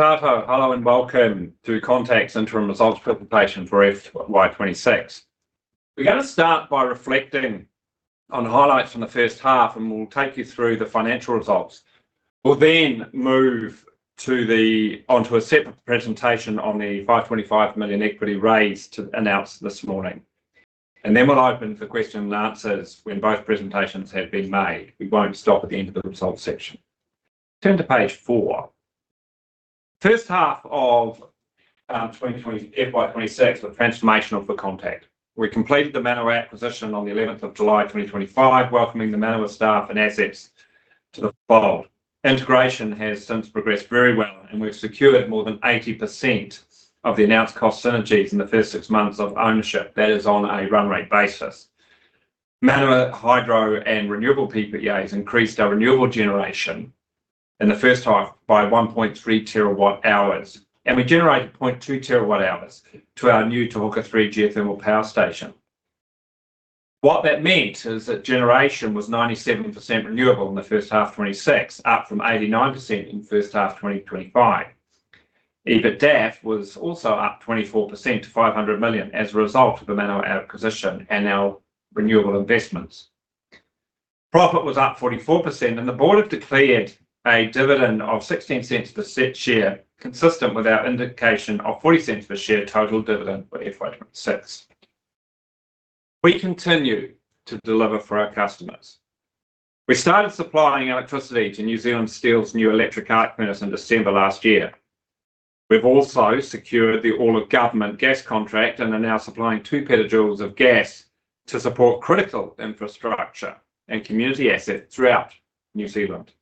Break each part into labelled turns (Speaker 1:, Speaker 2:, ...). Speaker 1: Kia ora. Hello, and welcome to Contact's interim results presentation for FY 2026. We're gonna start by reflecting on highlights from the first half, and we'll take you through the financial results. We'll then move onto a separate presentation on the 525 million equity raise to announce this morning, and then we'll open for question and answers when both presentations have been made. We won't stop at the end of the results section. Turn to page 4. First half FY 2026 was transformational for Contact. We completed the Manawa acquisition on the 11 July 2025, welcoming the Manawa staff and assets to the fold. Integration has since progressed very well, and we've secured more than 80% of the announced cost synergies in the first six months of ownership, that is, on a run rate basis. Manawa hydro and renewable PPAs increased our renewable generation in the first half by 1.3 TWh, and we generated 0.2 TWh to our new Te Huka 3 geothermal power station. What that meant is that generation was 97% renewable in the first half 2026, up from 89% in first half 2025. EBITDA was also up 24% to 500 million as a result of the Manawa acquisition and our renewable investments. Profit was up 44%, and the Board have declared a dividend of 0.16 per share, consistent with our indication of 0.40 per share total dividend for FY 2026. We continue to deliver for our customers. We started supplying electricity to New Zealand Steel's new electric arc furnace in December last year. We've also secured the All of Government gas contract and are now supplying 2PJ of gas to support critical infrastructure and community assets throughout New Zealand.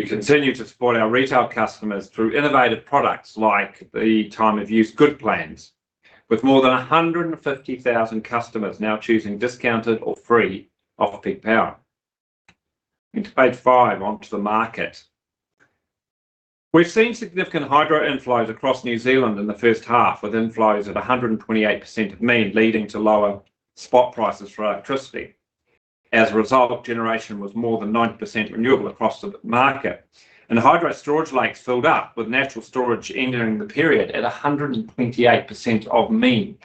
Speaker 1: We continue to support our retail customers through innovative products like the Time of Use Good Plans, with more than 150,000 customers now choosing discounted or free off-peak power. Into page five, onto the market. We've seen significant hydro inflows across New Zealand in the first half, with inflows at 128% of mean, leading to lower spot prices for electricity. As a result, generation was more than 90% renewable across the market, and the hydro storage lakes filled up, with natural storage ending the period at 128% of mean.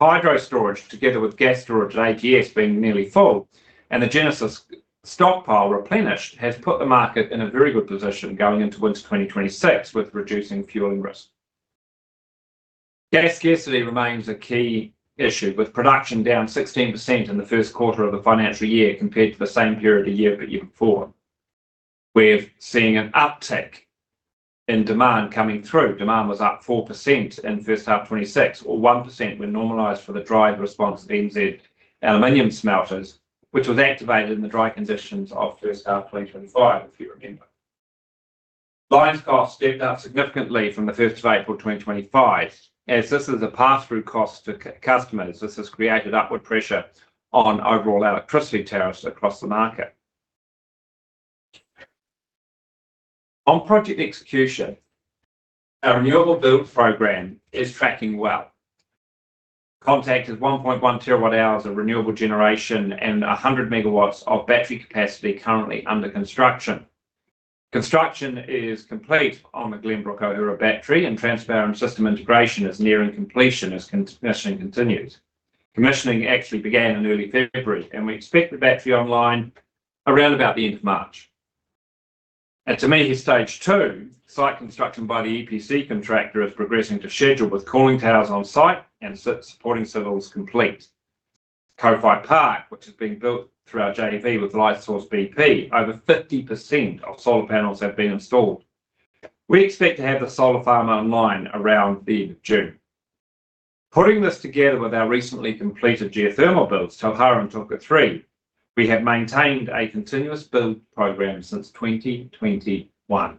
Speaker 1: Hydro storage, together with gas storage at AGS being nearly full and the Genesis stockpile replenished, has put the market in a very good position going into winter 2026, with reducing fueling risk. Gas scarcity remains a key issue, with production down 16% in the first quarter of the financial year compared to the same period a year before. We're seeing an uptick in demand coming through. Demand was up 4% in the first half 2026, or 1% when normalized for the demand response at NZ Aluminium Smelters, which was activated in the dry conditions of the first half 2025, if you remember. Line costs stepped up significantly from the first of April 2025. As this is a pass-through cost to customers, this has created upward pressure on overall electricity tariffs across the market. On project execution, our renewable build program is tracking well. Contact has 1.1 TWh of renewable generation and 100 MW of battery capacity currently under construction. Construction is complete on the Glenbrook Ohurua Battery, and transmission system integration is nearing completion as commissioning continues. Commissioning actually began in early February, and we expect the battery online around about the end of March. At Te Mihi Stage 2, site construction by the EPC contractor is progressing to schedule, with cooling towers on site and supporting civils complete. Kowhai Park, which is being built through our JV with Lightsource bp, over 50% of solar panels have been installed. We expect to have the solar farm online around the end of June. Putting this together with our recently completed geothermal builds, Tauhara and Te Huka 3, we have maintained a continuous build program since 2021.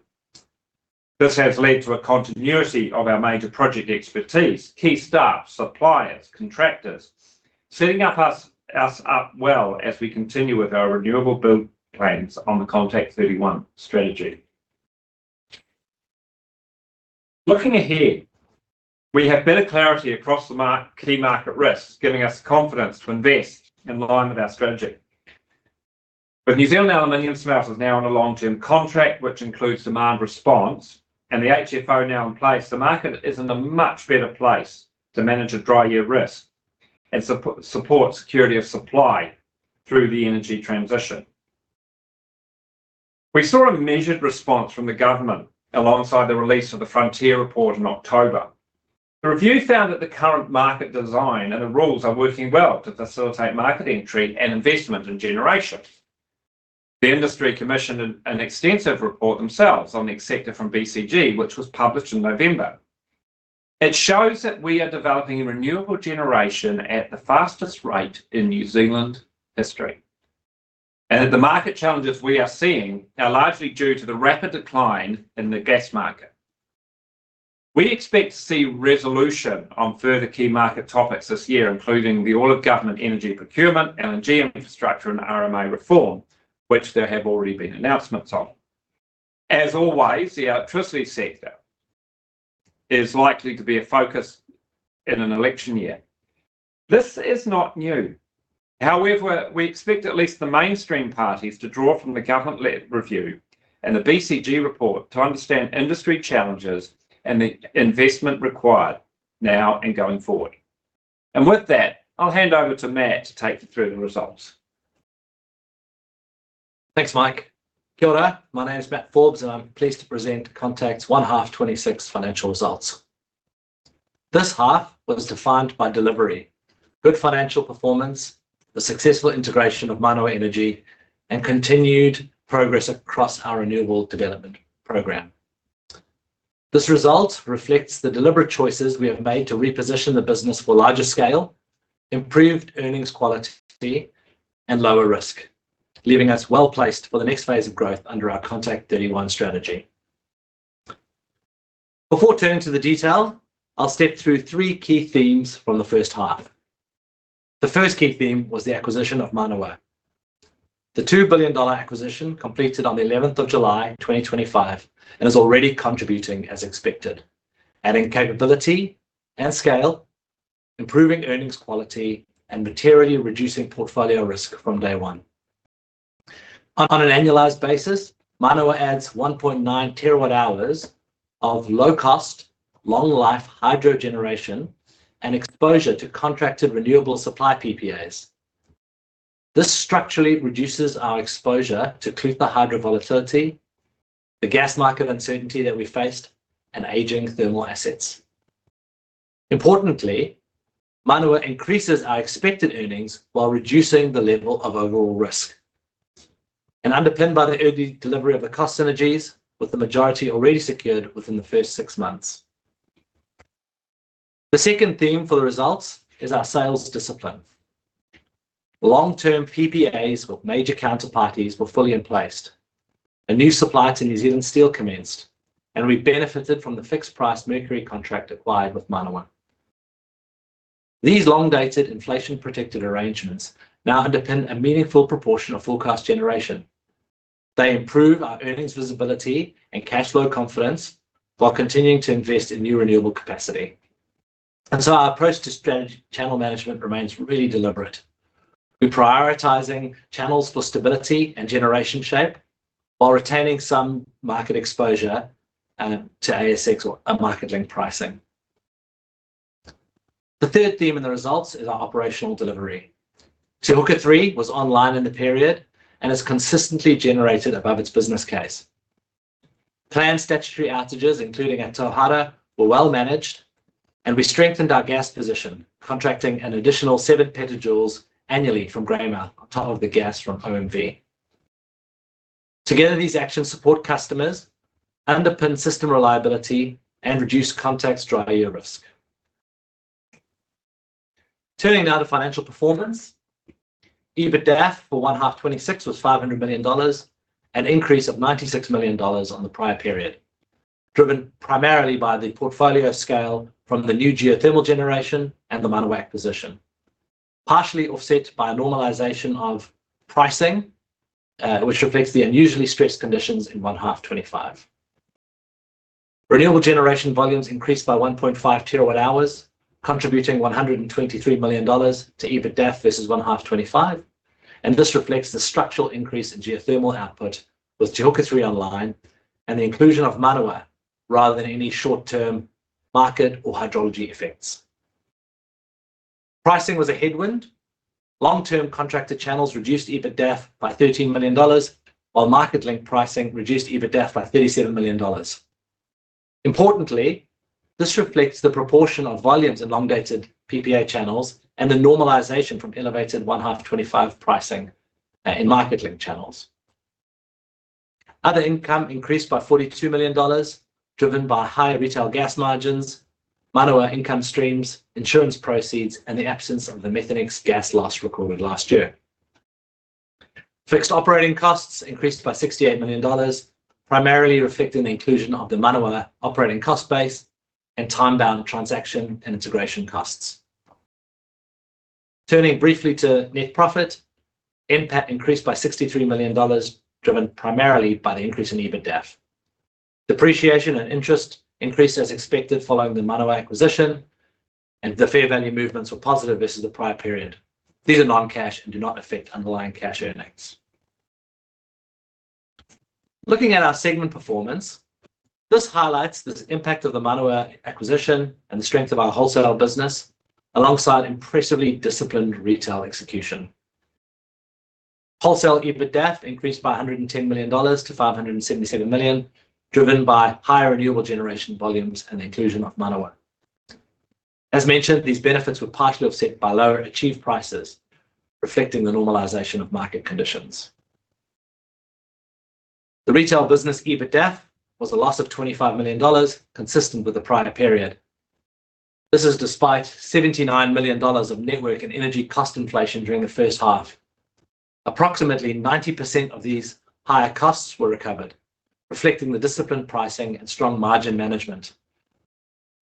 Speaker 1: This has led to a continuity of our major project expertise, key staff, suppliers, contractors, setting us up well as we continue with our renewable build plans Contact31 strategy. Looking ahead, we have better clarity across the key market risks, giving us confidence to invest in line with our strategy. With New Zealand Aluminium Smelters now on a long-term contract, which includes demand response, and the HFO now in place, the market is in a much better place to manage the dry year risk and support security of supply through the energy transition. We saw a measured response from the Government alongside the release of the Frontier Report in October. The review found that the Current Market Design and the rules are working well to facilitate market entry and investment in generation. The industry commissioned an extensive report themselves on the sector from BCG, which was published in November. It shows that we are developing renewable generation at the fastest rate in New Zealand history, and that the market challenges we are seeing are largely due to the rapid decline in the gas market. We expect to see resolution on further key market topics this year, including the All of Government energy procurement, LNG infrastructure and RMA reform, which there have already been announcements on. As always, the electricity sector is likely to be a focus in an election year. This is not new. However, we expect at least the mainstream parties to draw from the Government-led review and the BCG report to understand industry challenges and the investment required now and going forward. And with that, I'll hand over to Matt to take you through the results.
Speaker 2: Thanks, Mike. Kia ora. My name is Matt Forbes, and I'm pleased to present Contact's 1H 2026 financial results. This half was defined by delivery, good financial performance, the successful integration of Manawa Energy, and continued progress across our renewable development program. This result reflects the deliberate choices we have made to reposition the business for larger scale, improved earnings quality, and lower risk, leaving us well-placed for the next phase of growth under Contact31 strategy. Before turning to the detail, I'll step through three key themes from the first half. The first key theme was the acquisition of Manawa. The 2 billion dollar acquisition completed on the 11th of July 2025, and is already contributing as expected, adding capability and scale, improving earnings quality, and materially reducing portfolio risk from day one. On an annualized basis, Manawa adds 1.9 TWh of low cost, long life hydro generation and exposure to contracted renewable supply PPAs. This structurally reduces our exposure to Clutha hydro volatility, the gas market uncertainty that we faced, and aging thermal assets. Importantly, Manawa increases our expected earnings while reducing the level of overall risk, and underpinned by the early delivery of the cost synergies, with the majority already secured within the first six months. The second theme for the results is our sales discipline. Long-term PPAs with major counterparties were fully in place, a new supply to New Zealand Steel commenced, and we benefited from the fixed price Mercury contract acquired with Manawa. These long-dated inflation-protected arrangements now underpin a meaningful proportion of forecast generation. They improve our earnings visibility and cash flow confidence while continuing to invest in new renewable capacity. So our approach to strategy channel management remains really deliberate. We're prioritizing channels for stability and generation shape, while retaining some market exposure to ASX or a market-linked pricing. The third theme in the results is our operational delivery. Te Huka was online in the period and has consistently generated above its business case. Planned statutory outages, including at Tauhara, were well managed, and we strengthened our gas position, contracting an additional 7PJ annually from Greymouth Gas on top of the gas from OMV. Together, these actions support customers, underpin system reliability, and reduce Contact's dry year risk. Turning now to financial performance. EBITDAF for 1H 2026 was 500 million dollars, an increase of 96 million dollars on the prior period, driven primarily by the portfolio scale from the new geothermal generation and the Manawa acquisition. Partially offset by a normalization of pricing, which reflects the unusually stressed conditions in 1H25. Renewable generation volumes increased by 1.5 TWh, contributing NZD 123 million to EBITDAF versus 1H25, and this reflects the structural increase in geothermal output, with Te Huka online and the inclusion of Manawa, rather than any short-term market or hydrology effects. Pricing was a headwind. Long-term contracted channels reduced EBITDAF by 13 million dollars, while market-linked pricing reduced EBITDAF by 37 million dollars. Importantly, this reflects the proportion of volumes in long-dated PPA channels and the normalization from elevated 1H25 pricing, in market-linked channels. Other income increased by 42 million dollars, driven by higher retail gas margins, Manawa income streams, insurance proceeds, and the absence of the Methanex gas loss recorded last year. Fixed operating costs increased by 68 million dollars, primarily reflecting the inclusion of the Manawa operating cost base and time bound transaction and integration costs. Turning briefly to net profit, NPAT increased by 63 million dollars, driven primarily by the increase in EBITDAF. Depreciation and interest increased as expected following the Manawa acquisition, and the fair value movements were positive versus the prior period. These are non-cash and do not affect underlying cash earnings. Looking at our segment performance, this highlights the impact of the Manawa acquisition and the strength of our wholesale business, alongside impressively disciplined retail execution. Wholesale EBITDAF increased by 110 million dollars to 577 million, driven by higher renewable generation volumes and the inclusion of Manawa. As mentioned, these benefits were partially offset by lower achieved prices, reflecting the normalization of market conditions. The retail business EBITDAF was a loss of 25 million dollars, consistent with the prior period. This is despite 79 million dollars of network and energy cost inflation during the first half. Approximately 90% of these higher costs were recovered, reflecting the disciplined pricing and strong margin management.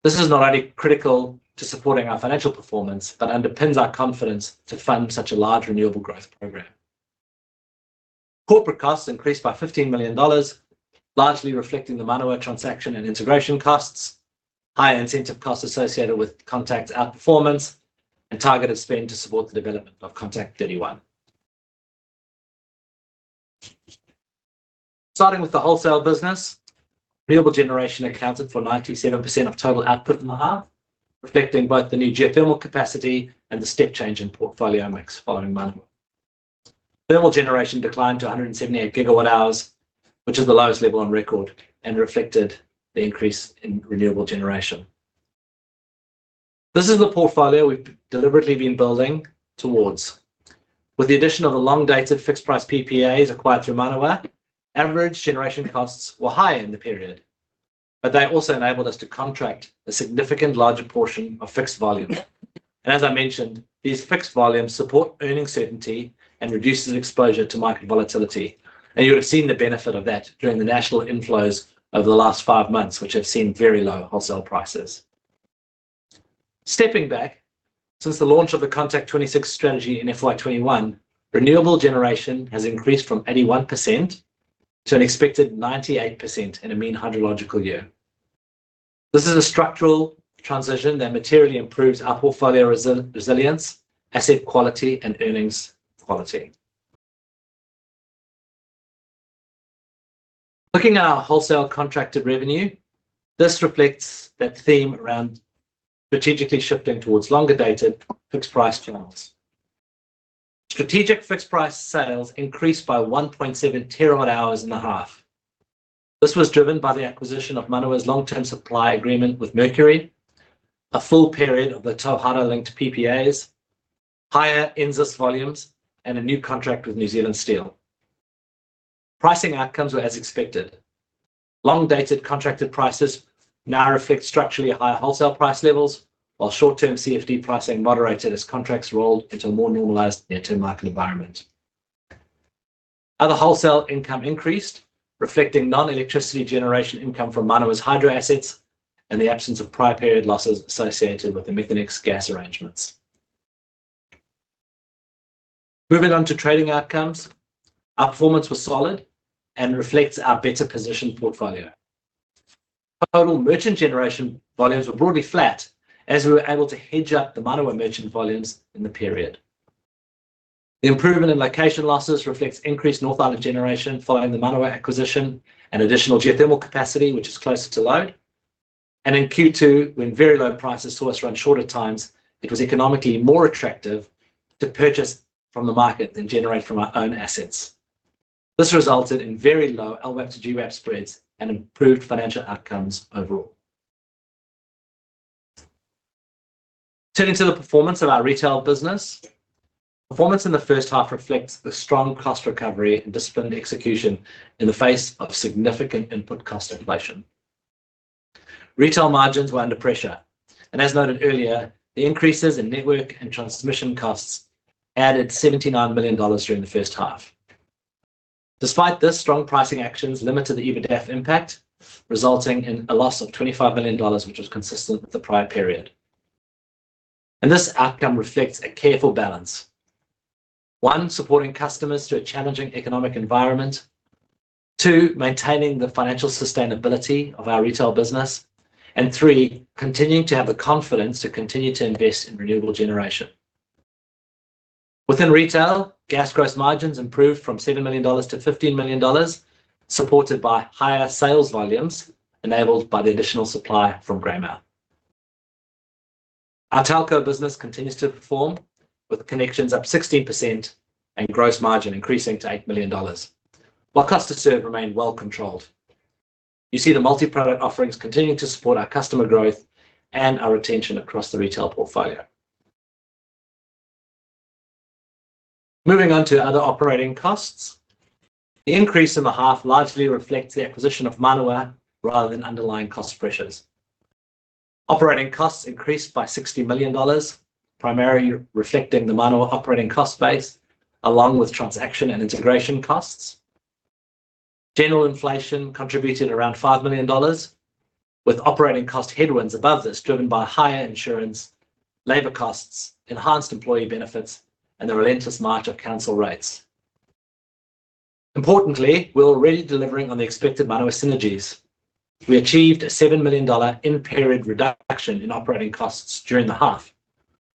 Speaker 2: This is not only critical to supporting our financial performance, but underpins our confidence to fund such a large renewable growth program. Corporate costs increased by 15 million dollars, largely reflecting the Manawa transaction and integration costs, high incentive costs associated with Contact's outperformance, and targeted spend to support the Contact31. Starting with the wholesale business, renewable generation accounted for 97% of total output in the half, reflecting both the new geothermal capacity and the step change in portfolio mix following Manawa. Thermal generation declined to 178 GWh, which is the lowest level on record, and reflected the increase in renewable generation. This is the portfolio we've deliberately been building towards. With the addition of the long-dated fixed-price PPAs acquired through Manawa, average generation costs were higher in the period, but they also enabled us to contract a significant larger portion of fixed volume. And as I mentioned, these fixed volumes support earnings certainty and reduces exposure to market volatility, and you have seen the benefit of that during the national inflows over the last five months, which have seen very low wholesale prices. Stepping back, since the launch of the Contact26 strategy in FY 2021, renewable generation has increased from 81% to an expected 98% in a mean hydrological year. This is a structural transition that materially improves our portfolio resilience, asset quality, and earnings quality. Looking at our wholesale contracted revenue, this reflects that theme around strategically shifting towards longer-dated, fixed-price channels. Strategic fixed-price sales increased by 1.7 TWh in the half. This was driven by the acquisition of Manawa's long-term supply agreement with Mercury, a full period of the Tauhara-linked PPAs, higher NZ Steel volumes, and a new contract with New Zealand Steel. Pricing outcomes were as expected. Long-dated contracted prices now reflect structurally higher wholesale price levels, while short-term CFD pricing moderated as contracts rolled into a more normalized near-term market environment. Other wholesale income increased, reflecting non-electricity generation income from Manawa's hydro assets and the absence of prior period losses associated with the Methanex gas arrangements. Moving on to trading outcomes, our performance was solid and reflects our better positioned portfolio. Total merchant generation volumes were broadly flat, as we were able to hedge up the Manawa merchant volumes in the period. The improvement in location losses reflects increased North Island generation following the Manawa acquisition and additional geothermal capacity, which is closer to load. And in Q2, when very low prices saw us run shorter times, it was economically more attractive to purchase from the market than generate from our own assets. This resulted in very low LWAP to GWAP spreads and improved financial outcomes overall. Turning to the performance of our retail business, performance in the first half reflects the strong cost recovery and disciplined execution in the face of significant input cost inflation. Retail margins were under pressure, and as noted earlier, the increases in network and transmission costs added 79 million dollars during the first half. Despite this, strong pricing actions limited the EBITDAF impact, resulting in a loss of 25 million dollars, which was consistent with the prior period. This outcome reflects a careful balance: one, supporting customers through a challenging economic environment, two, maintaining the financial sustainability of our retail business, and three, continuing to have the confidence to continue to invest in renewable generation. Within retail, gas gross margins improved from 7 million dollars to 15 million dollars, supported by higher sales volumes enabled by the additional supply from Greymouth. Our telco business continues to perform, with connections up 16% and gross margin increasing to 8 million dollars, while cost to serve remained well controlled. You see the multi-product offerings continuing to support our customer growth and our retention across the retail portfolio. Moving on to other operating costs. The increase in the half largely reflects the acquisition of Manawa rather than underlying cost pressures. Operating costs increased by 60 million dollars, primarily reflecting the Manawa operating cost base, along with transaction and integration costs. General inflation contributed around 5 million dollars, with operating cost headwinds above this, driven by higher insurance, labor costs, enhanced employee benefits, and the relentless march of council rates. Importantly, we're already delivering on the expected Manawa synergies. We achieved a 7 million dollar in-period reduction in operating costs during the half,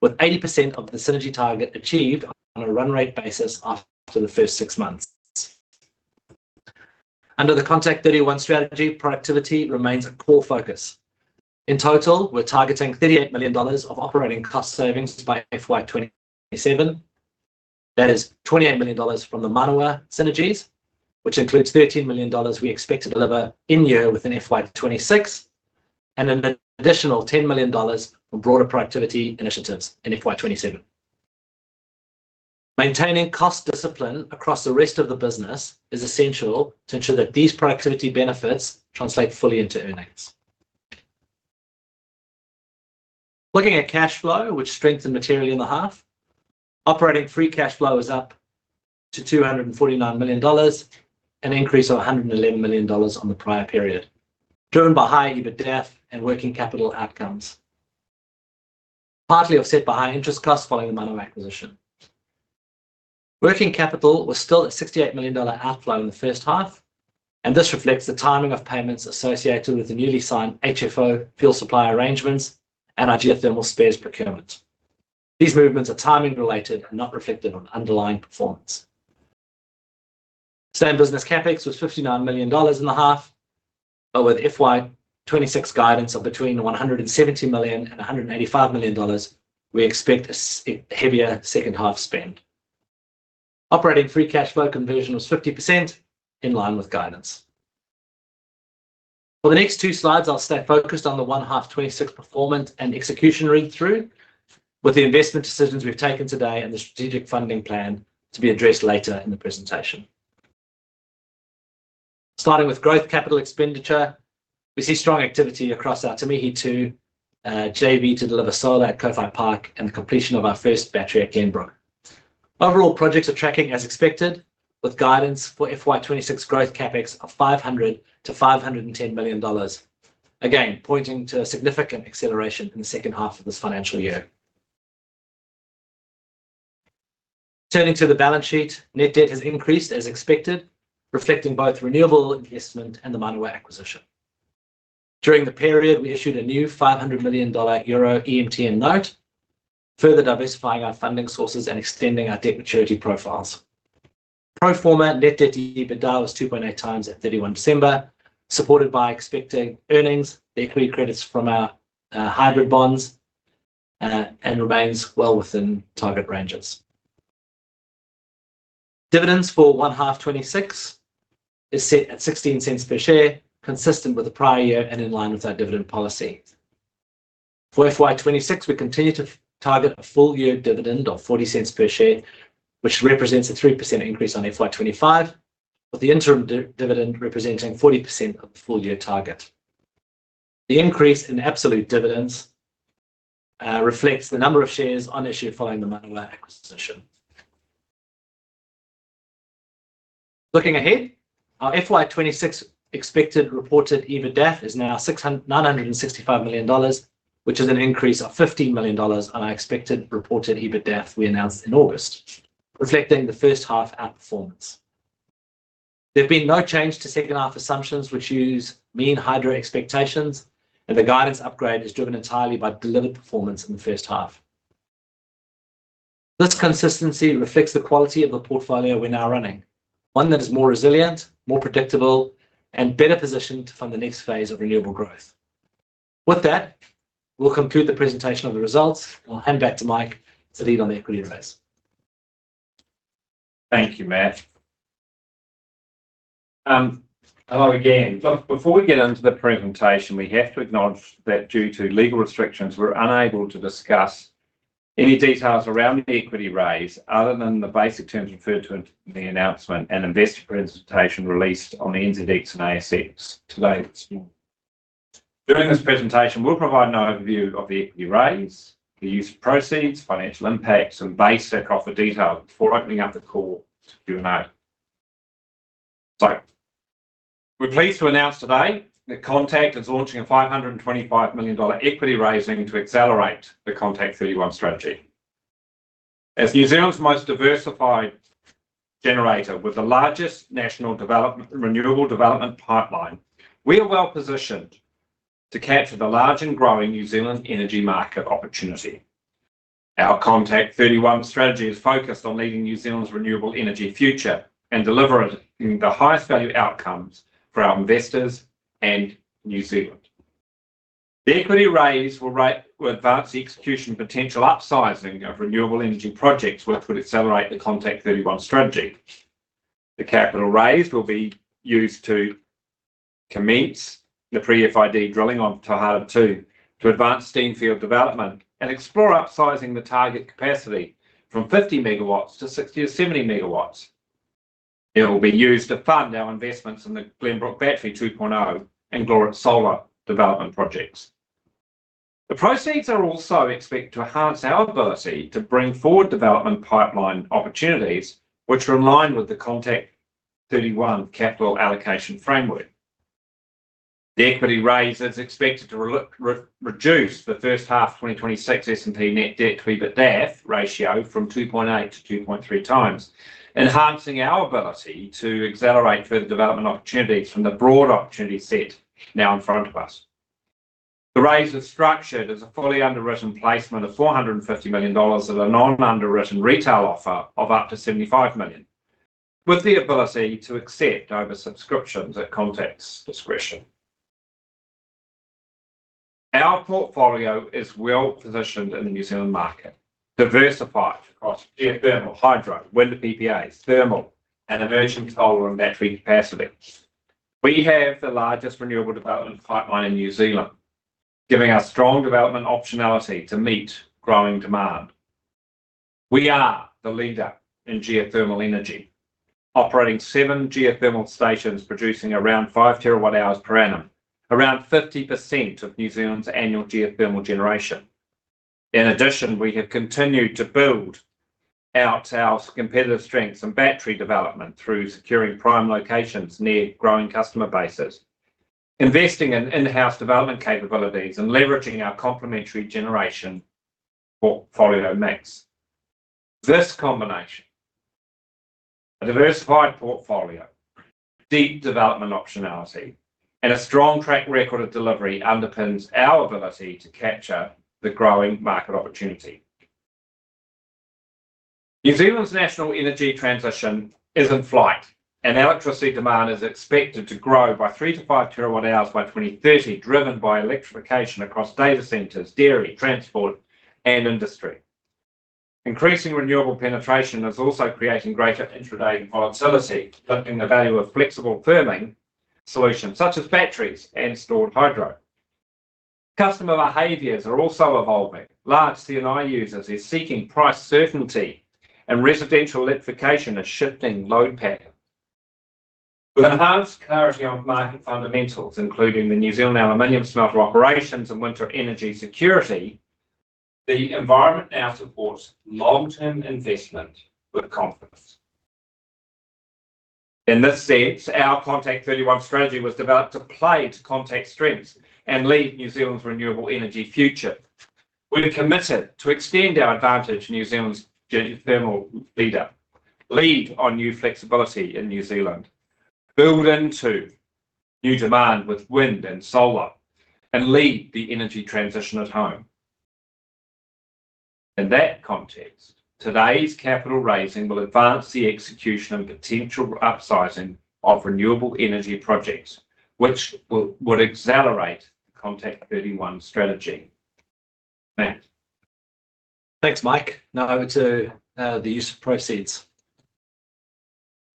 Speaker 2: with 80% of the synergy target achieved on a run rate basis after the first six months. Under Contact31 strategy, productivity remains a core focus. In total, we're targeting 38 million dollars of operating cost savings by FY 2027. That is 28 million dollars from the Manawa synergies, which includes 13 million dollars we expect to deliver in-year within FY 2026, and an additional 10 million dollars from broader productivity initiatives in FY 2027. Maintaining cost discipline across the rest of the business is essential to ensure that these productivity benefits translate fully into earnings. Looking at cash flow, which strengthened materially in the half, operating free cash flow is up to 249 million dollars, an increase of 111 million dollars on the prior period, driven by high EBITDAF and working capital outcomes partly offset by higher interest costs following the Manawa acquisition. Working capital was still at 68 million dollar outflow in the first half, and this reflects the timing of payments associated with the newly signed HFO fuel supply arrangements and geothermal spares procurement. These movements are timing related and not reflected on underlying performance. Same business CapEx was 59 million dollars in the half, but with FY26 guidance of between 170 million and 185 million dollars, we expect a heavier second half spend. Operating free cash flow conversion was 50% in line with guidance. For the next two slides, I'll stay focused on the 1H 2026 performance and execution read through, with the investment decisions we've taken today and the strategic funding plan to be addressed later in the presentation. Starting with growth capital expenditure, we see strong Te Mihi Stage 2 JV to deliver solar at Kowhai Park and the completion of our first battery at Glenbrook. Overall, projects are tracking as expected, with guidance for FY26 growth CapEx of 500 million to 510 million dollars, again, pointing to a significant acceleration in the second half of this financial year. Turning to the balance sheet, net debt has increased as expected, reflecting both renewable investment and the Manawa acquisition. During the period, we issued a new 500 million euro EMTN note, further diversifying our funding sources and extending our debt maturity profiles. Pro forma net debt to EBITDA was 2.8x at 31 December, supported by expecting earnings, the equity credits from our hybrid bonds and remains well within target ranges. Dividends for 1H 2026 is set at 0.16 per share, consistent with the prior year and in line with our dividend policy. For FY 2026, we continue to target a full-year dividend of 0.40 per share, which represents a 3% increase on FY 2025, with the interim dividend representing 40% of the full-year target. The increase in absolute dividends reflects the number of shares on issue following the Manawa acquisition. Looking ahead, our FY 2026 expected reported EBITDA is now 965 million dollars, which is an increase of 15 million dollars on our expected reported EBITDA we announced in August, reflecting the first half outperformance. There've been no change to second-half assumptions, which use mean hydro expectations, and the guidance upgrade is driven entirely by delivered performance in the first half. This consistency reflects the quality of the portfolio we're now running, one that is more resilient, more predictable, and better positioned to fund the next phase of renewable growth. With that, we'll conclude the presentation of the results, and I'll hand back to Mike to lead on the equity raise.
Speaker 1: Thank you, Matt. Hello again. But before we get into the presentation, we have to acknowledge that due to legal restrictions, we're unable to discuss any details around the equity raise other than the basic terms referred to in the announcement and investor presentation released on NZX and ASX today this morning. During this presentation, we'll provide an overview of the equity raise, the use of proceeds, financial impacts, and base set offer detail before opening up the call to Q&A. So we're pleased to announce today that Contact is launching a 525 million dollar equity raising to Contact31 strategy. As New Zealand's most diversified generator with the largest national development, renewable development pipeline, we are well positioned to capture the large and growing New Zealand energy market opportunity. Contact31 strategy is focused on leading New Zealand's renewable energy future and delivering the highest value outcomes for our investors and New Zealand. The equity raise will advance the execution potential upsizing of renewable energy projects, which would Contact31 strategy. The capital raised will be used to commence the pre-FID drilling on Tauhara 2 to advance steam field development and explore upsizing the target capacity from 50 MW to 60 to 70 MW. It'll be used to fund our investments in the Glenbrook Battery 2.0 Glorit Solar development projects. The proceeds are also expected to enhance our ability to bring forward development pipeline opportunities, which are in line with Contact31 Capital Allocation Framework. The equity raise is expected to reduce the first half 2026 S&P net debt to EBITDA ratio from 2.8x to 2.3x, enhancing our ability to accelerate further development opportunities from the broad opportunity set now in front of us. The raise is structured as a fully underwritten placement of 450 million dollars and a non-underwritten retail offer of up to 75 million, with the ability to accept oversubscriptions at Contact's discretion. Our portfolio is well positioned in the New Zealand market, diversified across geothermal, hydro, wind PPAs, thermal, and emerging solar and battery capacity. We have the largest renewable development pipeline in New Zealand, giving us strong development optionality to meet growing demand. We are the leader in geothermal energy, operating seven geothermal stations, producing around 5 TWh per annum, around 50% of New Zealand's annual geothermal generation. In addition, we have continued to build out our competitive strengths and battery development through securing prime locations near growing customer bases, investing in-house development capabilities and leveraging our complementary generation portfolio mix. This combination, a diversified portfolio, deep development optionality, and a strong track record of delivery underpins our ability to capture the growing market opportunity. New Zealand's national energy transition is in flight, and electricity demand is expected to grow by 3 to 5 TWh by 2030, driven by electrification across data centers, dairy, transport, and industry. Increasing renewable penetration is also creating greater intraday volatility, lifting the value of flexible firming solutions such as batteries and stored hydro. Customer behaviors are also evolving. Large C&I users are seeking price certainty, and residential electrification is shifting load pattern. With enhanced clarity on market fundamentals, including the New Zealand Aluminium Smelters operations and winter energy security, the environment now supports long-term investment with confidence. In this sense, Contact31 strategy was developed to play to Contact's strengths and lead New Zealand's renewable energy future. We're committed to extend our advantage, New Zealand's geothermal leader, lead on new flexibility in New Zealand, build into new demand with wind and solar, and lead the energy transition at home. In that context, today's capital raising will advance the execution and potential upsizing of renewable energy projects, which would accelerate Contact31 strategy. Matt?
Speaker 2: Thanks, Mike. Now over to the use of proceeds.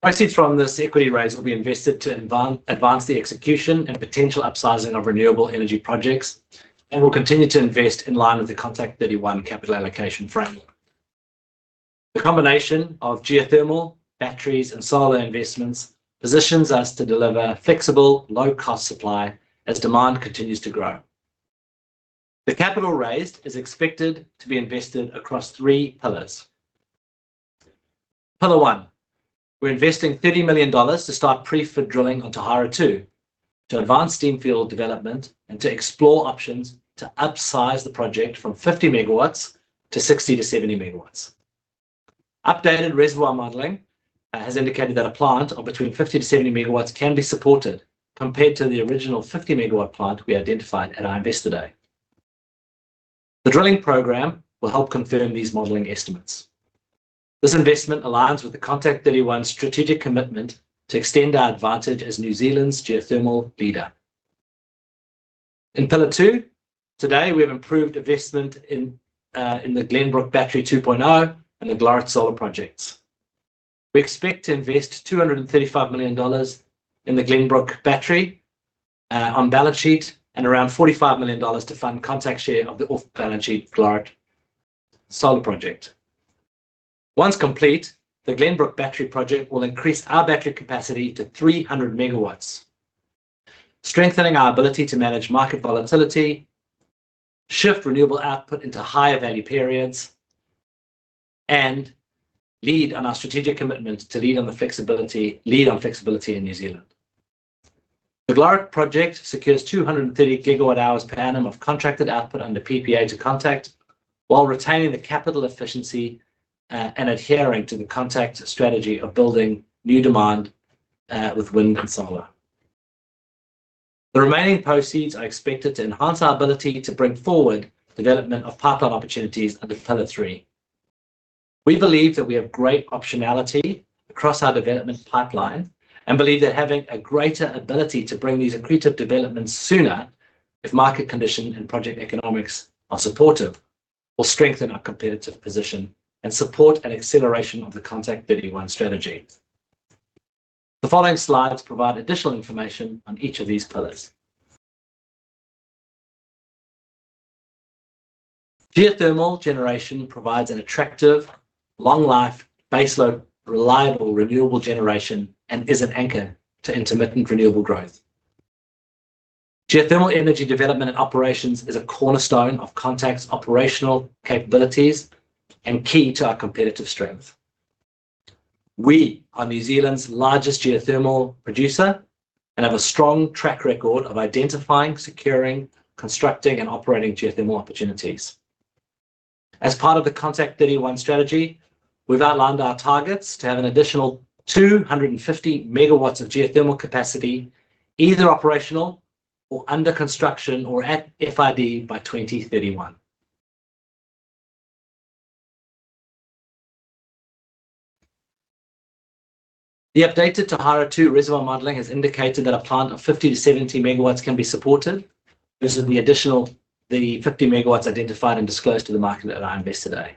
Speaker 2: Proceeds from this equity raise will be invested to advance the execution and potential upsizing of renewable energy projects, and we'll continue to invest in line with Contact31 Capital Allocation Framework. The combination of geothermal, batteries, and solar investments positions us to deliver flexible, low-cost supply as demand continues to grow. The capital raised is expected to be invested across three pillars. Pillar one: We're investing 30 million dollars to start pre-FID drilling on Tauhara 2, to advance steam field development, and to explore options to upsize the project from 50 MW to 60 to 70 MW. Updated reservoir modeling has indicated that a plant of between 50 to 70 MW can be supported, compared to the original 50 MW plant we identified at our Investor Day. The drilling program will help confirm these modeling estimates. This investment aligns Contact31's strategic commitment to extend our advantage as New Zealand's geothermal leader. In pillar two, today, we have improved investment in the Glenbrook Battery 2.0 and Glorit Solar projects. We expect to invest 235 million dollars in the Glenbrook Battery on balance sheet, and around 45 million dollars to fund Contact's share of the off-balance Glorit Solar project. Once complete, the Glenbrook Battery project will increase our battery capacity to 300 MW, strengthening our ability to manage market volatility, shift renewable output into higher value periods, and lead on flexibility in New Zealand. Glorit Solar project secures 230 GWh per annum of contracted output under PPA to Contact, while retaining the capital efficiency, and adhering to Contact's strategy of building new demand with wind and solar. The remaining proceeds are expected to enhance our ability to bring forward development of pipeline opportunities under pillar three. We believe that we have great optionality across our development pipeline and believe that having a greater ability to bring these accretive developments sooner, if market conditions and project economics are supportive, will strengthen our competitive position and support an acceleration of Contact31 strategy. The following slides provide additional information on each of these pillars. Geothermal generation provides an attractive, long-life, baseload, reliable, renewable generation and is an anchor to intermittent renewable growth. Geothermal energy development and operations is a cornerstone of Contact's operational capabilities and key to our competitive strength. We are New Zealand's largest geothermal producer and have a strong track record of identifying, securing, constructing, and operating geothermal opportunities. As part Contact31 strategy, we've outlined our targets to have an additional 250 MW of geothermal capacity, either operational or under construction or at FID by 2031. The updated Tauhara 2 reservoir modeling has indicated that a plant of 50 to 70 MW can be supported. This is the additional to the 50 MW identified and disclosed to the market at our Investor Day.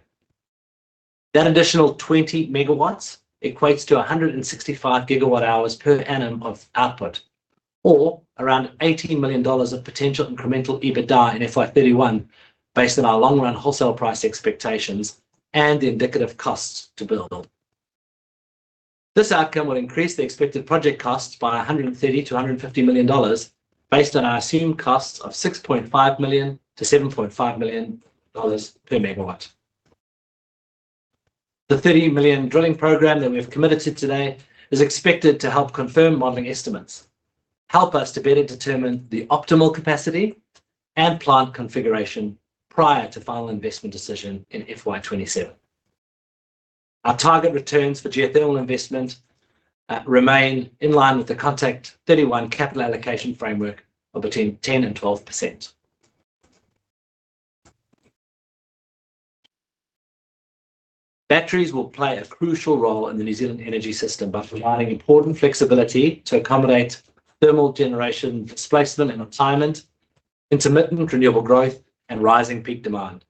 Speaker 2: That additional 20 MW equates to 165 GWh per annum of output, or around 18 million dollars of potential incremental EBITDA in FY 2031, based on our long-run wholesale price expectations and the indicative costs to build. This outcome will increase the expected project costs by 130 million to 150 million dollars, based on our assumed costs of 6.5 million-7.5 million dollars per MW. The 30 million drilling program that we've committed to today is expected to help confirm modeling estimates, help us to better determine the optimal capacity and plant configuration prior to final investment decision in FY 2027. Our target returns for geothermal investment remain in line Contact31 Capital Allocation Framework of between 10% and 12%. Batteries will play a crucial role in the New Zealand energy system by providing important flexibility to accommodate thermal generation displacement and retirement, intermittent renewable growth, and rising peak demand.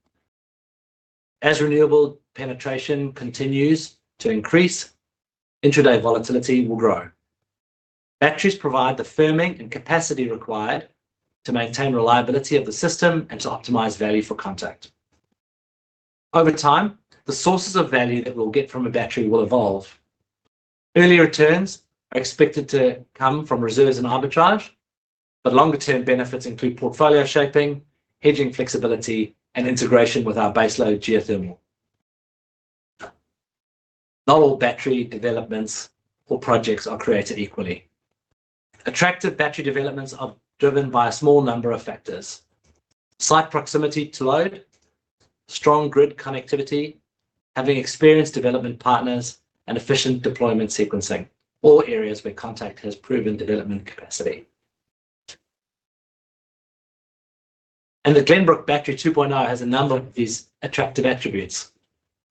Speaker 2: As renewable penetration continues to increase, intraday volatility will grow. Batteries provide the firming and capacity required to maintain reliability of the system and to optimize value for Contact. Over time, the sources of value that we'll get from a battery will evolve. Early returns are expected to come from reserves and arbitrage, but longer-term benefits include portfolio shaping, hedging flexibility, and integration with our baseload geothermal. Not all battery developments or projects are created equally. Attractive battery developments are driven by a small number of factors: site proximity to load, strong grid connectivity, having experienced development partners, and efficient deployment sequencing, all areas where Contact has proven development capacity. The Glenbrook Battery 2.0 has a number of these attractive attributes.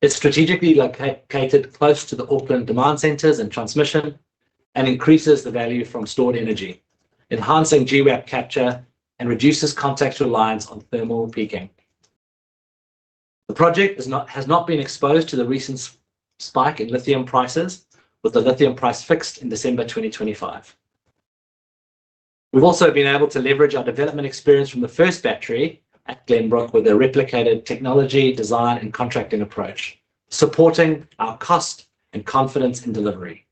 Speaker 2: It's strategically located, located close to the Auckland demand centers and transmission, and increases the value from stored energy, enhancing GWAP capture and reduces Contact's reliance on thermal peaking. The project has not been exposed to the recent spike in lithium prices, with the lithium price fixed in December 2025. We've also been able to leverage our development experience from the first battery at Glenbrook with a replicated technology, design, and contracting approach, supporting our cost and confidence in delivery.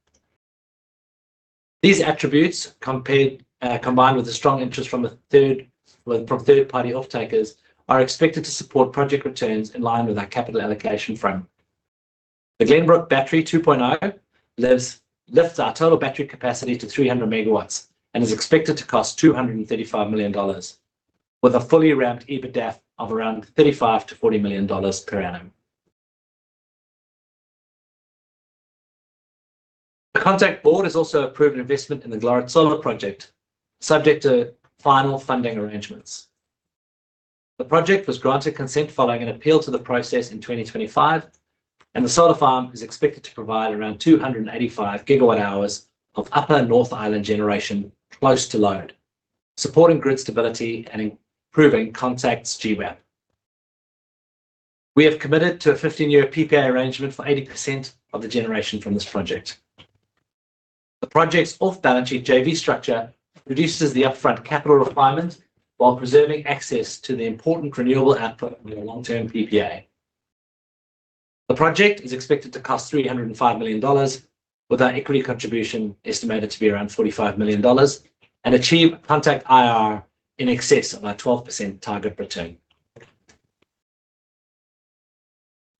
Speaker 2: These attributes compared, combined with the strong interest from third-party off-takers, are expected to support project returns in line with our capital allocation frame. The Glenbrook Battery 2.0 lifts our total battery capacity to 300 MW and is expected to cost 235 million dollars, with a fully ramped EBITDA of around 35 million to 40 million dollars per annum. The Contact board has also approved an investment in the Glenbrook Solar Project, subject to final funding arrangements. The project was granted consent following an appeal to the process in 2025, and the solar farm is expected to provide around 285 GWh of upper North Island generation close to load, supporting grid stability and improving Contact's GWAP. We have committed to a 15-year PPA arrangement for 80% of the generation from this project. The project's off-balance sheet JV structure reduces the upfront capital requirement while preserving access to the important renewable output with a long-term PPA. The project is expected to cost 305 million dollars, with our equity contribution estimated to be around 45 million dollars and achieve Contact IRR in excess of our 12% target return.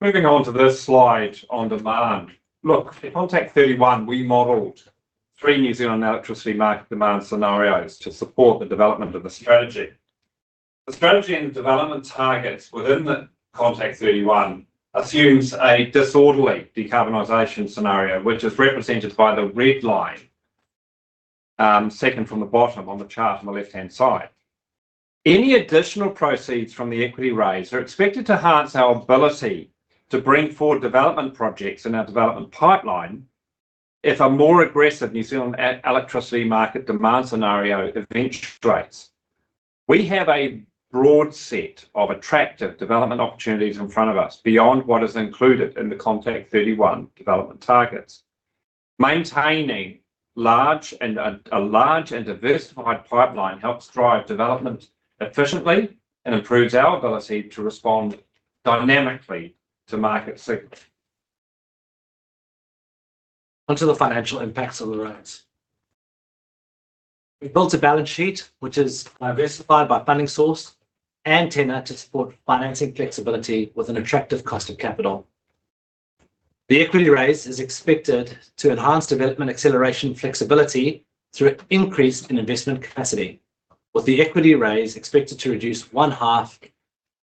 Speaker 1: Moving on to this slide onContact31, we modeled three New Zealand electricity market demand scenarios to support the development of the strategy. The strategy and development targets Contact31 assumes a disorderly decarbonization scenario, which is represented by the red line, second from the bottom on the chart on the left-hand side. Any additional proceeds from the equity raise are expected to enhance our ability to bring forward development projects in our development pipeline if a more aggressive New Zealand electricity market demand scenario eventuates. We have a broad set of attractive development opportunities in front of us beyond what is included Contact31 development targets. Maintaining a large and diversified pipeline helps drive development efficiently and improves our ability to respond dynamically to market signals.
Speaker 2: Onto the financial impacts of the raise. We've built a balance sheet which is diversified by funding source and tenor to support financing flexibility with an attractive cost of capital. The equity raise is expected to enhance development acceleration flexibility through an increase in investment capacity, with the equity raise expected to reduce 0.5,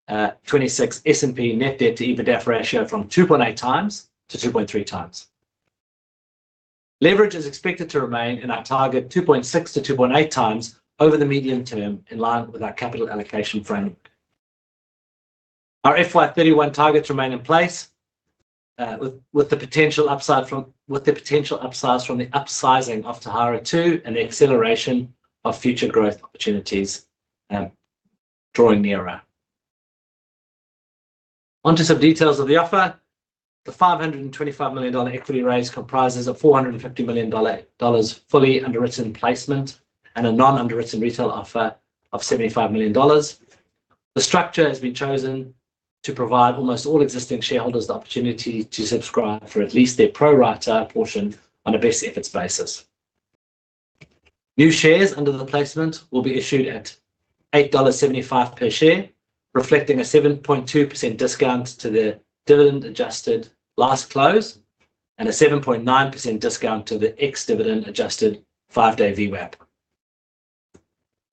Speaker 2: 2.6 S&P net debt to EBITDA ratio from 2.8x to 2.3x. Leverage is expected to remain in our target 2.6-2.8x over the medium term, in line with our Capital Allocation Framework. Our FY 2031 targets remain in place, with the potential upsides from the upsizing Tauhara 2 and the acceleration of future growth opportunities, drawing nearer. Onto some details of the offer. The 525 million dollar equity raise comprises a 450 million dollar, dollars fully underwritten placement and a non-underwritten retail offer of 75 million dollars. The structure has been chosen to provide almost all existing shareholders the opportunity to subscribe for at least their pro-rata portion on a best efforts basis. New shares under the placement will be issued at 8.75 dollars per share, reflecting a 7.2% discount to the dividend-adjusted last close and a 7.9% discount to the ex-dividend adjusted five-day VWAP.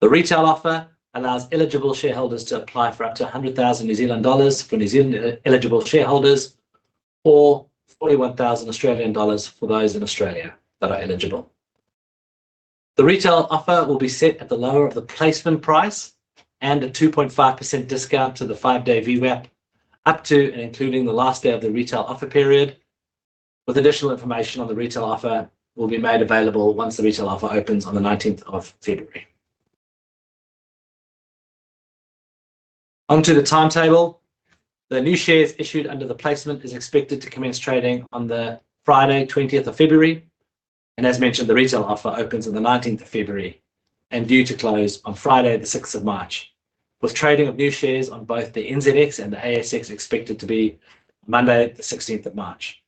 Speaker 2: The retail offer allows eligible shareholders to apply for up to 100,000 New Zealand dollars for New Zealand eligible shareholders or 41,000 Australian dollars for those in Australia that are eligible. The retail offer will be set at the lower of the placement price and a 2.5% discount to the five-day VWAP, up to and including the last day of the retail offer period, with additional information on the retail offer will be made available once the retail offer opens on the 19 February 2026. On to the timetable. The new shares issued under the placement is expected to commence trading on the Friday, 20 February 2026, and as mentioned, the retail offer opens on the 19 February 2026 and due to close on Friday, the 6 March 2026, with trading of new shares on both the NZX and the ASX expected to be Monday, the sixteenth of March.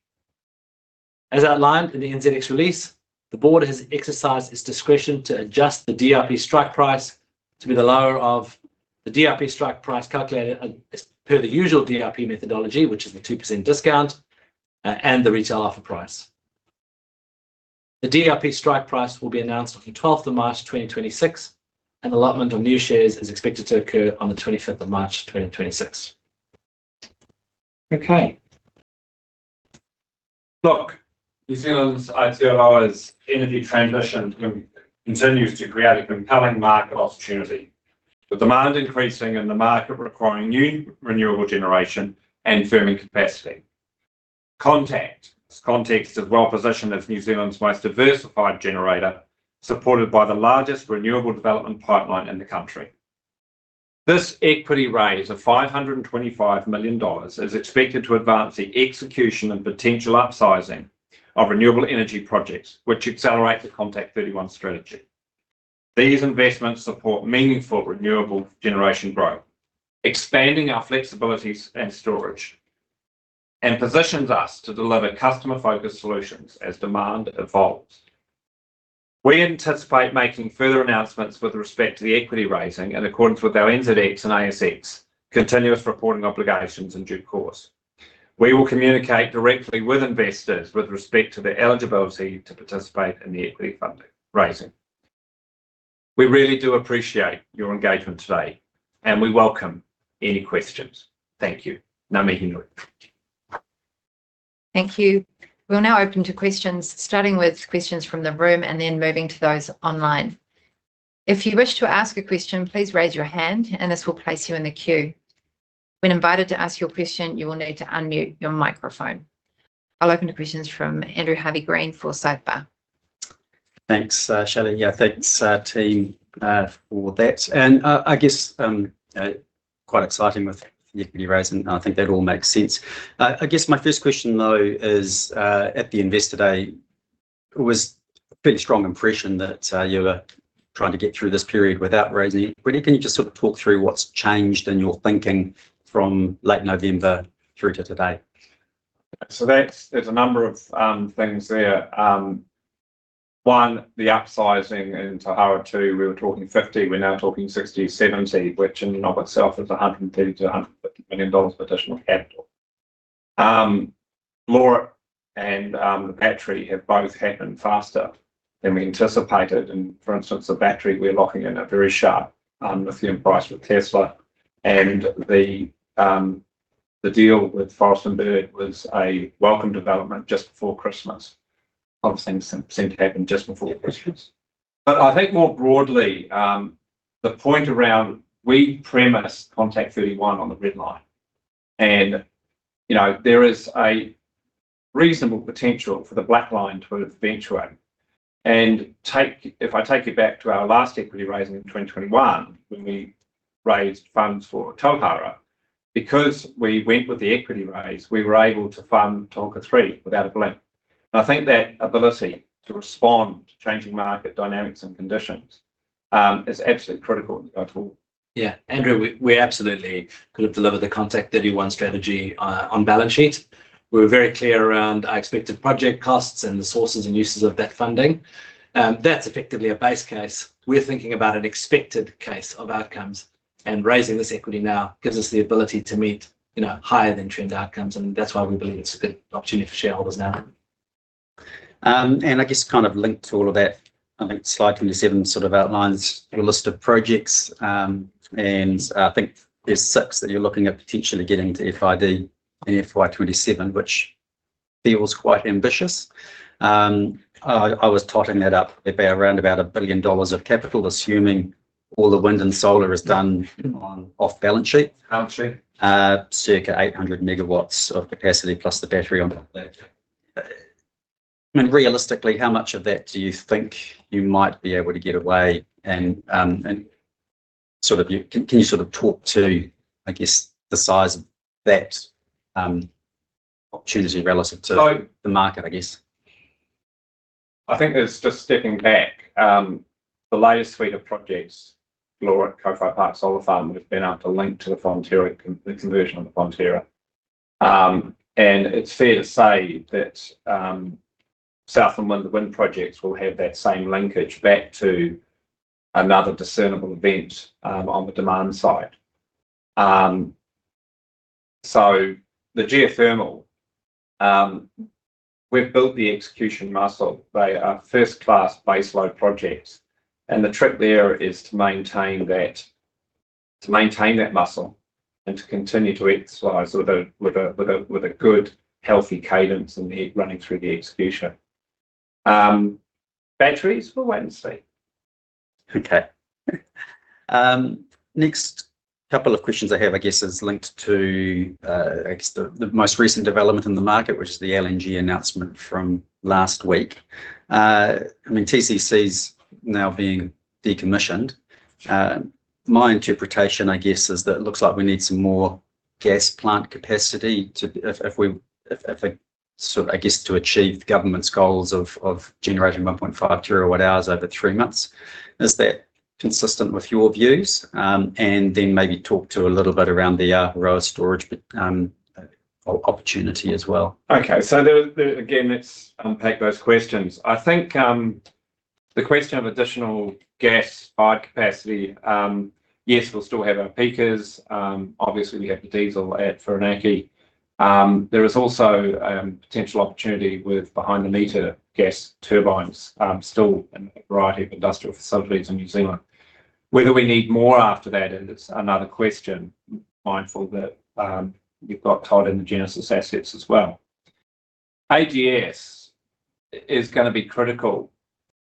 Speaker 2: As outlined in the NZX release, the Board has exercised its discretion to adjust the DRP strike price to be the lower of the DRP strike price calculated as per the usual DRP methodology, which is the 2% discount, and the retail offer price. The DRP strike price will be announced on the 12 March 2026, and allotment of new shares is expected to occur on the 25 March 2026. Okay. New Zealand's energy sector's transition continues to create a compelling market opportunity, with demand increasing and the market requiring new renewable generation and firming capacity. Contact is well positioned as New Zealand's most diversified generator, supported by the largest renewable development pipeline in the country.
Speaker 1: This equity raise of 525 million dollars is expected to advance the execution and potential upsizing of renewable energy projects, which Contact31 strategy. These investments support meaningful renewable generation growth, expanding our flexibilities and storage, and positions us to deliver customer-focused solutions as demand evolves. We anticipate making further announcements with respect to the equity raising in accordance with our NZX and ASX continuous reporting obligations in due course. We will communicate directly with investors with respect to their eligibility to participate in the equity funding raising. We really do appreciate your engagement today, and we welcome any questions. Thank you. Nga mihi nui.
Speaker 3: Thank you. We'll now open to questions, starting with questions from the room and then moving to those online. If you wish to ask a question, please raise your hand, and this will place you in the queue. When invited to ask your question, you will need to unmute your microphone. I'll open to questions from Andrew Harvey-Green for Forsyth Barr.
Speaker 4: Thanks, Shelley. Yeah, thanks, team, for that. And, I guess, quite exciting with the equity raise, and I think that all makes sense. I guess my first question, though, is, at the Investor Day, it was a pretty strong impression that, you were trying to get through this period without raising it. Can you just sort of talk through what's changed in your thinking from late November through to today?
Speaker 1: So that's there. There's a number of things there. One, the upsizing Tauhara 2, we were talking 50, we're now talking 60-70, which in and of itself is 150 million-250 million dollars of additional capital. Glorit and the battery have both happened faster than we anticipated, and for instance, the battery, we're locking in a very sharp lithium price with Tesla. And the deal with Forest and Bird was a welcome development just before Christmas.
Speaker 4: A lot of things seem to happen just before Christmas.
Speaker 1: But I think more broadly, the point around, Contact31 on the red line, and, you know, there is a reasonable potential for the black line to eventuate. And if I take you back to our last equity raising in 2021, when we raised funds for Tauhara, because we went with the equity raise, we were able to fund Te Huka 3 without a blip. And I think that ability to respond to changing market dynamics and conditions, is absolutely critical going forward.
Speaker 2: Yeah. Andrew, we, we absolutely could have Contact31 strategy on balance sheet. We were very clear around our expected project costs and the sources and uses of that funding. That's effectively a base case. We're thinking about an expected case of outcomes, and raising this equity now gives us the ability to meet, you know, higher than trend outcomes, and that's why we believe it's a good opportunity for shareholders now.
Speaker 4: I guess kind of linked to all of that, I think slide 27 sort of outlines your list of projects. I think there's six that you're looking at potentially getting to FID in FY 2027, which feels quite ambitious. I, I was totting that up at around about 1 billion dollars of capital, assuming all the wind and solar is done on off balance sheet.
Speaker 2: Balance sheet.
Speaker 4: Circa 800 MW of capacity plus the battery on that. I mean, realistically, how much of that do you think you might be able to get away? And sort of, can you sort of talk to, I guess, the size of that opportunity relative to the market, I guess?
Speaker 1: I think it's just stepping back. The latest suite of projects, Glorit, Kowhai Park Solar Farm, we've been able to link to the Fonterra con- the conversion of the Fonterra. And it's fair to say that Southland wind projects will have that same linkage back to another discernible event on the demand side. So the geothermal, we've built the execution muscle. They are first-class baseload projects, and the trick there is to maintain that, to maintain that muscle and to continue to exercise with a good, healthy cadence in the running through the execution. Batteries, we'll wait and see.
Speaker 4: Okay. Next couple of questions I have, I guess, is linked to, I guess the most recent development in the market, which is the LNG announcement from last week. I mean, TCC is now being decommissioned. My interpretation, I guess, is that it looks like we need some more gas plant capacity to so, I guess, to achieve the Government's goals of generating 1.5 TWh over three months. Is that consistent with your views? And then maybe talk to a little bit around the battery storage opportunity as well.
Speaker 1: Okay. So there, there again, let's unpack those questions. I think, the question of additional gas spike capacity, yes, we'll still have our peakers. Obviously, we have the diesel at Whirinaki. There is also, potential opportunity with behind the meter gas turbines, still in a variety of industrial facilities in New Zealand. Whether we need more after that is another question, mindful that, you've got tied in the Genesis assets as well. AGS is gonna be critical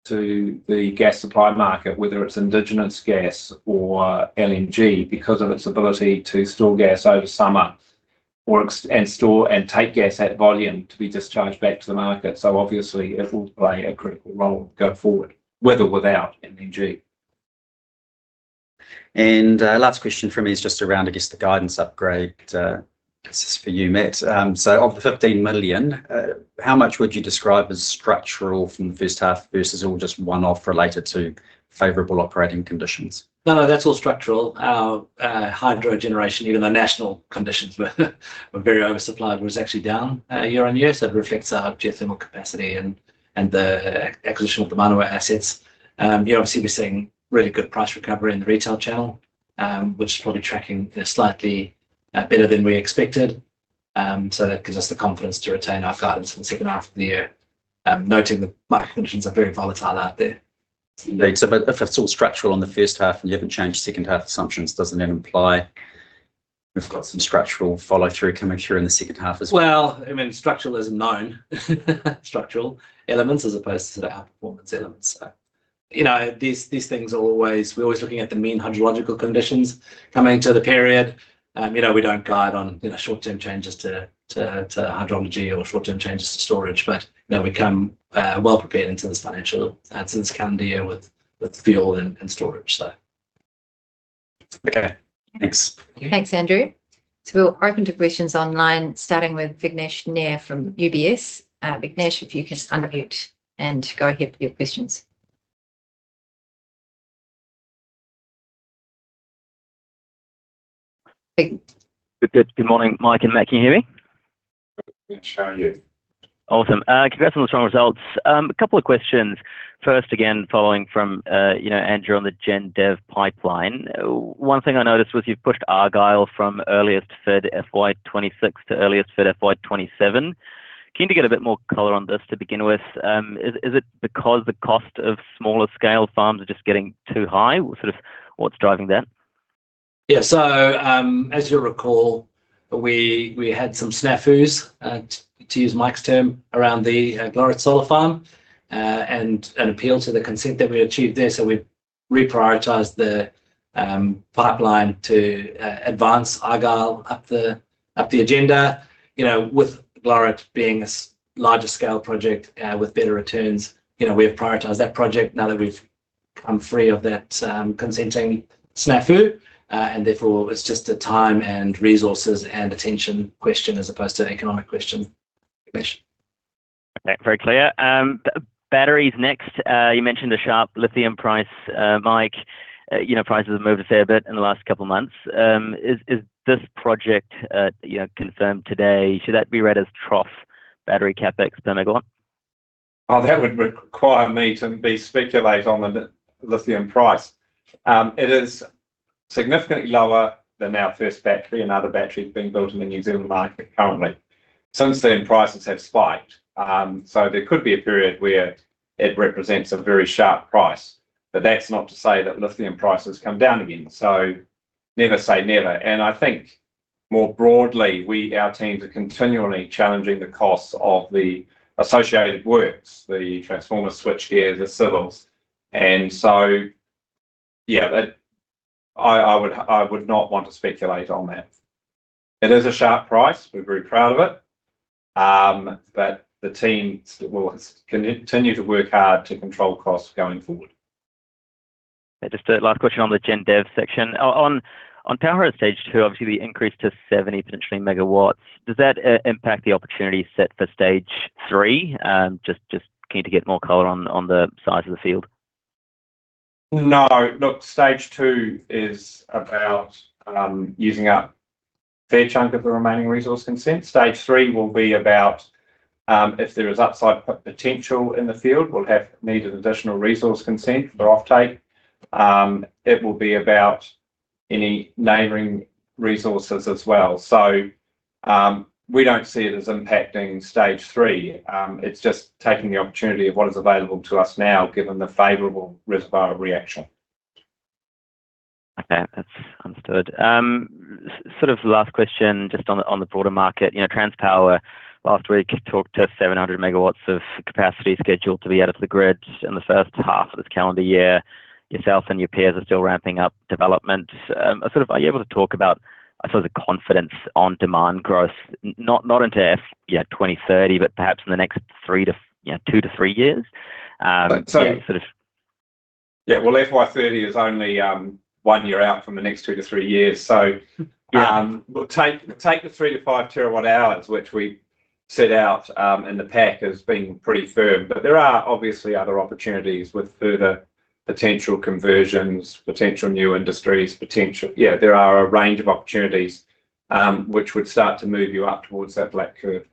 Speaker 1: to the gas supply market, whether it's indigenous gas or LNG, because of its ability to store gas over summer or inject and store and take gas at volume to be discharged back to the market. So obviously, it will play a critical role going forward, with or without LNG.
Speaker 4: Last question from me is just around, I guess, the guidance upgrade. This is for you, Matt. So of the 15 million, how much would you describe as structural from the first half versus all just one-off related to favorable operating conditions?
Speaker 2: No, no, that's all structural. Our hydro generation, even though national conditions were very oversupplied, was actually down year on year, so it reflects our geothermal capacity and the acquisition of the Manawa assets. Yeah, obviously, we're seeing really good price recovery in the retail channel, which is probably tracking slightly better than we expected. So that gives us the confidence to retain our guidance for the second half of the year, noting that market conditions are very volatile out there.
Speaker 4: So, but if it's all structural in the first half and you haven't changed second half assumptions, doesn't that imply we've got some structural follow-through coming through in the second half as well?
Speaker 2: Well, I mean, structural is known, structural elements as opposed to outperformance elements. So, you know, these things are always—we're always looking at the mean hydrological conditions coming to the period. You know, we don't guide on short-term changes to hydrology or short-term changes to storage, but you know, we come well prepared into this financial instance, coming to year with fuel and storage, so.
Speaker 4: Okay, thanks.
Speaker 3: Thanks, Andrew. So we're open to questions online, starting with Vignesh Nair from UBS. Vignesh, if you can unmute and go ahead with your questions.
Speaker 5: Good, good. Good morning, Mike and Matt. Can you hear me?
Speaker 1: Sure, can.
Speaker 5: Awesome. Congrats on the strong results. A couple of questions. First, again, following from, you know, Andrew, on the gen dev pipeline, one thing I noticed was you've pushed Argyle from earliest third FY 2026 to earliest third FY 2027. Keen to get a bit more color on this to begin with. Is it because the cost of smaller scale farms are just getting too high? Sort of, what's driving that?
Speaker 2: Yeah. So, as you'll recall, we had some snafus to use Mike's term, around the Glorit Solar Farm, and an appeal to the consent that we achieved there. So we've reprioritized the pipeline to advance Argyle up the agenda. You know, with Glorit being a larger scale project with better returns, you know, we have prioritized that project now that we've come free of that consenting snafu. And therefore, it's just a time and resources and attention question as opposed to an economic question, Vignesh.
Speaker 5: Very clear. Batteries next. You mentioned the sharp lithium price, Mike. You know, prices have moved a fair bit in the last couple of months. Is this project, you know, confirmed today? Should that be read as trough battery CapEx spend gone?
Speaker 1: Oh, that would require me to speculate on the lithium price. It is significantly lower than our first battery and other batteries being built in the New Zealand market currently. Since then, prices have spiked, so there could be a period where it represents a very sharp price. But that's not to say that lithium prices come down again, so never say never. And I think more broadly, our teams are continually challenging the costs of the associated works, the transformer switch gear, the civils, and so, yeah, that I, I would, I would not want to speculate on that. It is a sharp price. We're very proud of it, but the team will continue to work hard to control costs going forward.
Speaker 5: Just a last question on the gen dev section. Tauhara 2, obviously, the increase to 70 potentially MW, does that impact the opportunity set for Stage Three? Just keen to get more color on the size of the field.
Speaker 1: No, stage two is about using up a fair chunk of the remaining resource consent. Stage three will be about, if there is upside potential in the field, we'll need an additional resource consent for offtake. It will be about any neighboring resources as well. So, we don't see it as impacting stage 3. It's just taking the opportunity of what is available to us now, given the favorable reservoir reaction.
Speaker 5: Okay, that's understood. Sort of the last question, just on the broader market. You know, Transpower last week talked to 700 megawatts of capacity scheduled to be added to the grid in the first half of this calendar year. Yourself and your peers are still ramping up development. Sort of, are you able to talk about, sort of the confidence on demand growth, not into 2030, but perhaps in the next three to, you know, two to three years?
Speaker 1: Yeah, well, FY 30 is only one year out from the next two to three years. So, take the three to five terawatt hours, which we set out in the pack as being pretty firm. But there are obviously other opportunities with further potential conversions, potential new industries, potential. Yeah, there are a range of opportunities, which would start to move you up towards that black curve.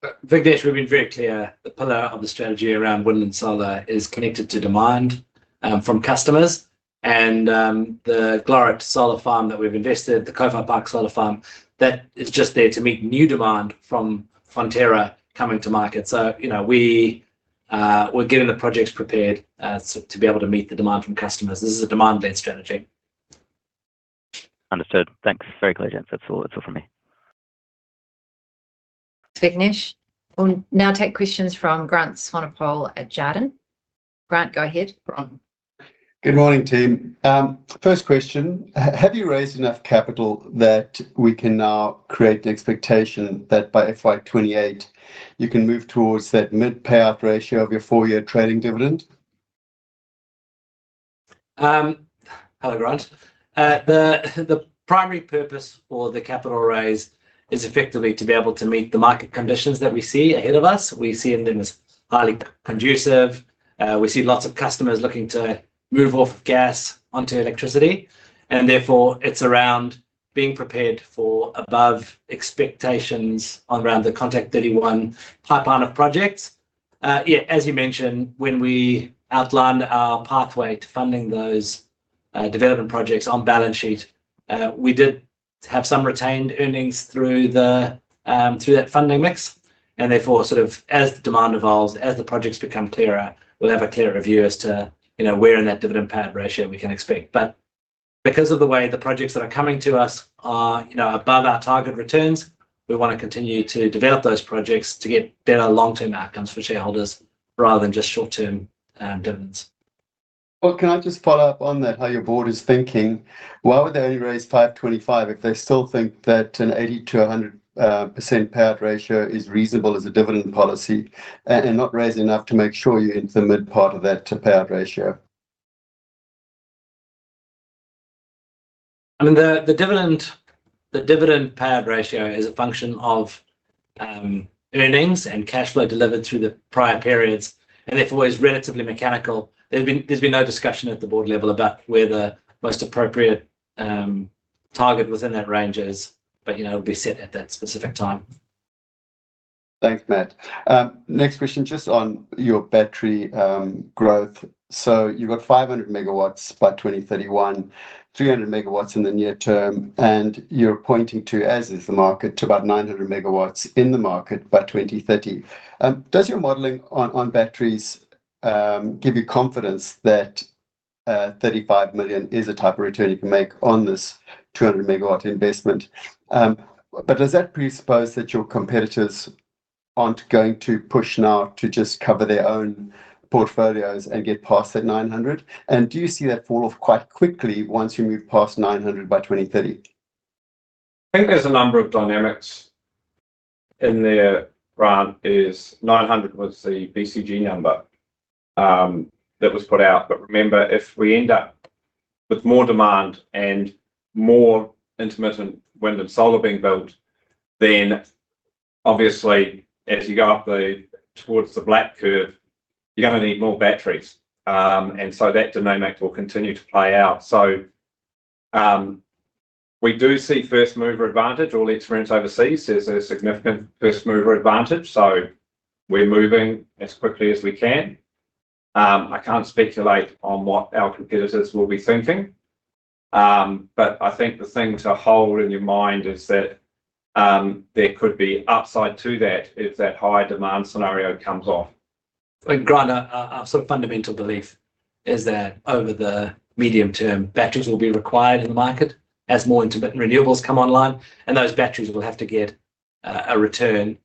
Speaker 2: But Vignesh, we've been very clear, the pillar of the strategy around wind and solar is connected to demand from customers. And the Glorit Solar Farm that we've invested, the Kowhai Park Solar Farm, that is just there to meet new demand from Fonterra coming to market. So, you know, we, we're getting the projects prepared so to be able to meet the demand from customers. This is a demand-led strategy.
Speaker 5: Understood. Thanks. Very clear, gents. That's all, that's all from me.
Speaker 3: Vignesh. We'll now take questions from Grant Swanepoel at Jarden. Grant, go ahead, Grant.
Speaker 6: Good morning, team. First question: Have you raised enough capital that we can now create the expectation that by FY 28, you can move towards that mid-payout ratio of your four-year trading dividend?
Speaker 2: Hello, Grant. The primary purpose for the capital raise is effectively to be able to meet the market conditions that we see ahead of us. We see them as highly conducive. We see lots of customers looking to move off gas onto electricity, and therefore, it's around being prepared for above expectations Contact31 pipeline of projects. Yeah, as you mentioned, when we outlined our pathway to funding those development projects on balance sheet, we did have some retained earnings through that funding mix, and therefore, sort of as demand evolves, as the projects become clearer, we'll have a clearer view as to, you know, where in that dividend payout ratio we can expect. Because of the way the projects that are coming to us are, you know, above our target returns, we want to continue to develop those projects to get better long-term outcomes for shareholders, rather than just short-term dividends.
Speaker 6: Well, can I just follow up on that, how your board is thinking? Why would they only raise 525 if they still think that an 80%-100% payout ratio is reasonable as a dividend policy, and not raise enough to make sure you hit the mid part of that payout ratio?
Speaker 2: I mean, the dividend payout ratio is a function of earnings and cash flow delivered through the prior periods, and therefore is relatively mechanical. There's been no discussion at the Board level about where the most appropriate target within that range is, but you know, it'll be set at that specific time.
Speaker 6: Thanks, Matt. Next question, just on your battery growth. So you've got 500 MW by 2031, 300 MW in the near term, and you're pointing to, as is the market, to about 900 MW in the market by 2030. Does your modeling on batteries give you confidence that 35 million is the type of return you can make on this 200 MW investment? But does that presuppose that your competitors aren't going to push now to just cover their own portfolios and get past that 900? And do you see that fall off quite quickly once you move past 900 by 2030?
Speaker 1: I think there's a number of dynamics in there, Grant, is 900 was the BCG number, that was put out. But remember, if we end up with more demand and more intermittent wind and solar being built, then obviously, as you go up the, towards the black curve, you're going to need more batteries. And so that dynamic will continue to play out. So, we do see first-mover advantage. All the experience overseas, there's a significant first-mover advantage, so we're moving as quickly as we can. I can't speculate on what our competitors will be thinking, but I think the thing to hold in your mind is that, there could be upside to that if that higher demand scenario comes off.
Speaker 2: And Grant, our sort of fundamental belief is that over the medium term, batteries will be required in the market as more intermittent renewables come online, and those batteries will have to get a return.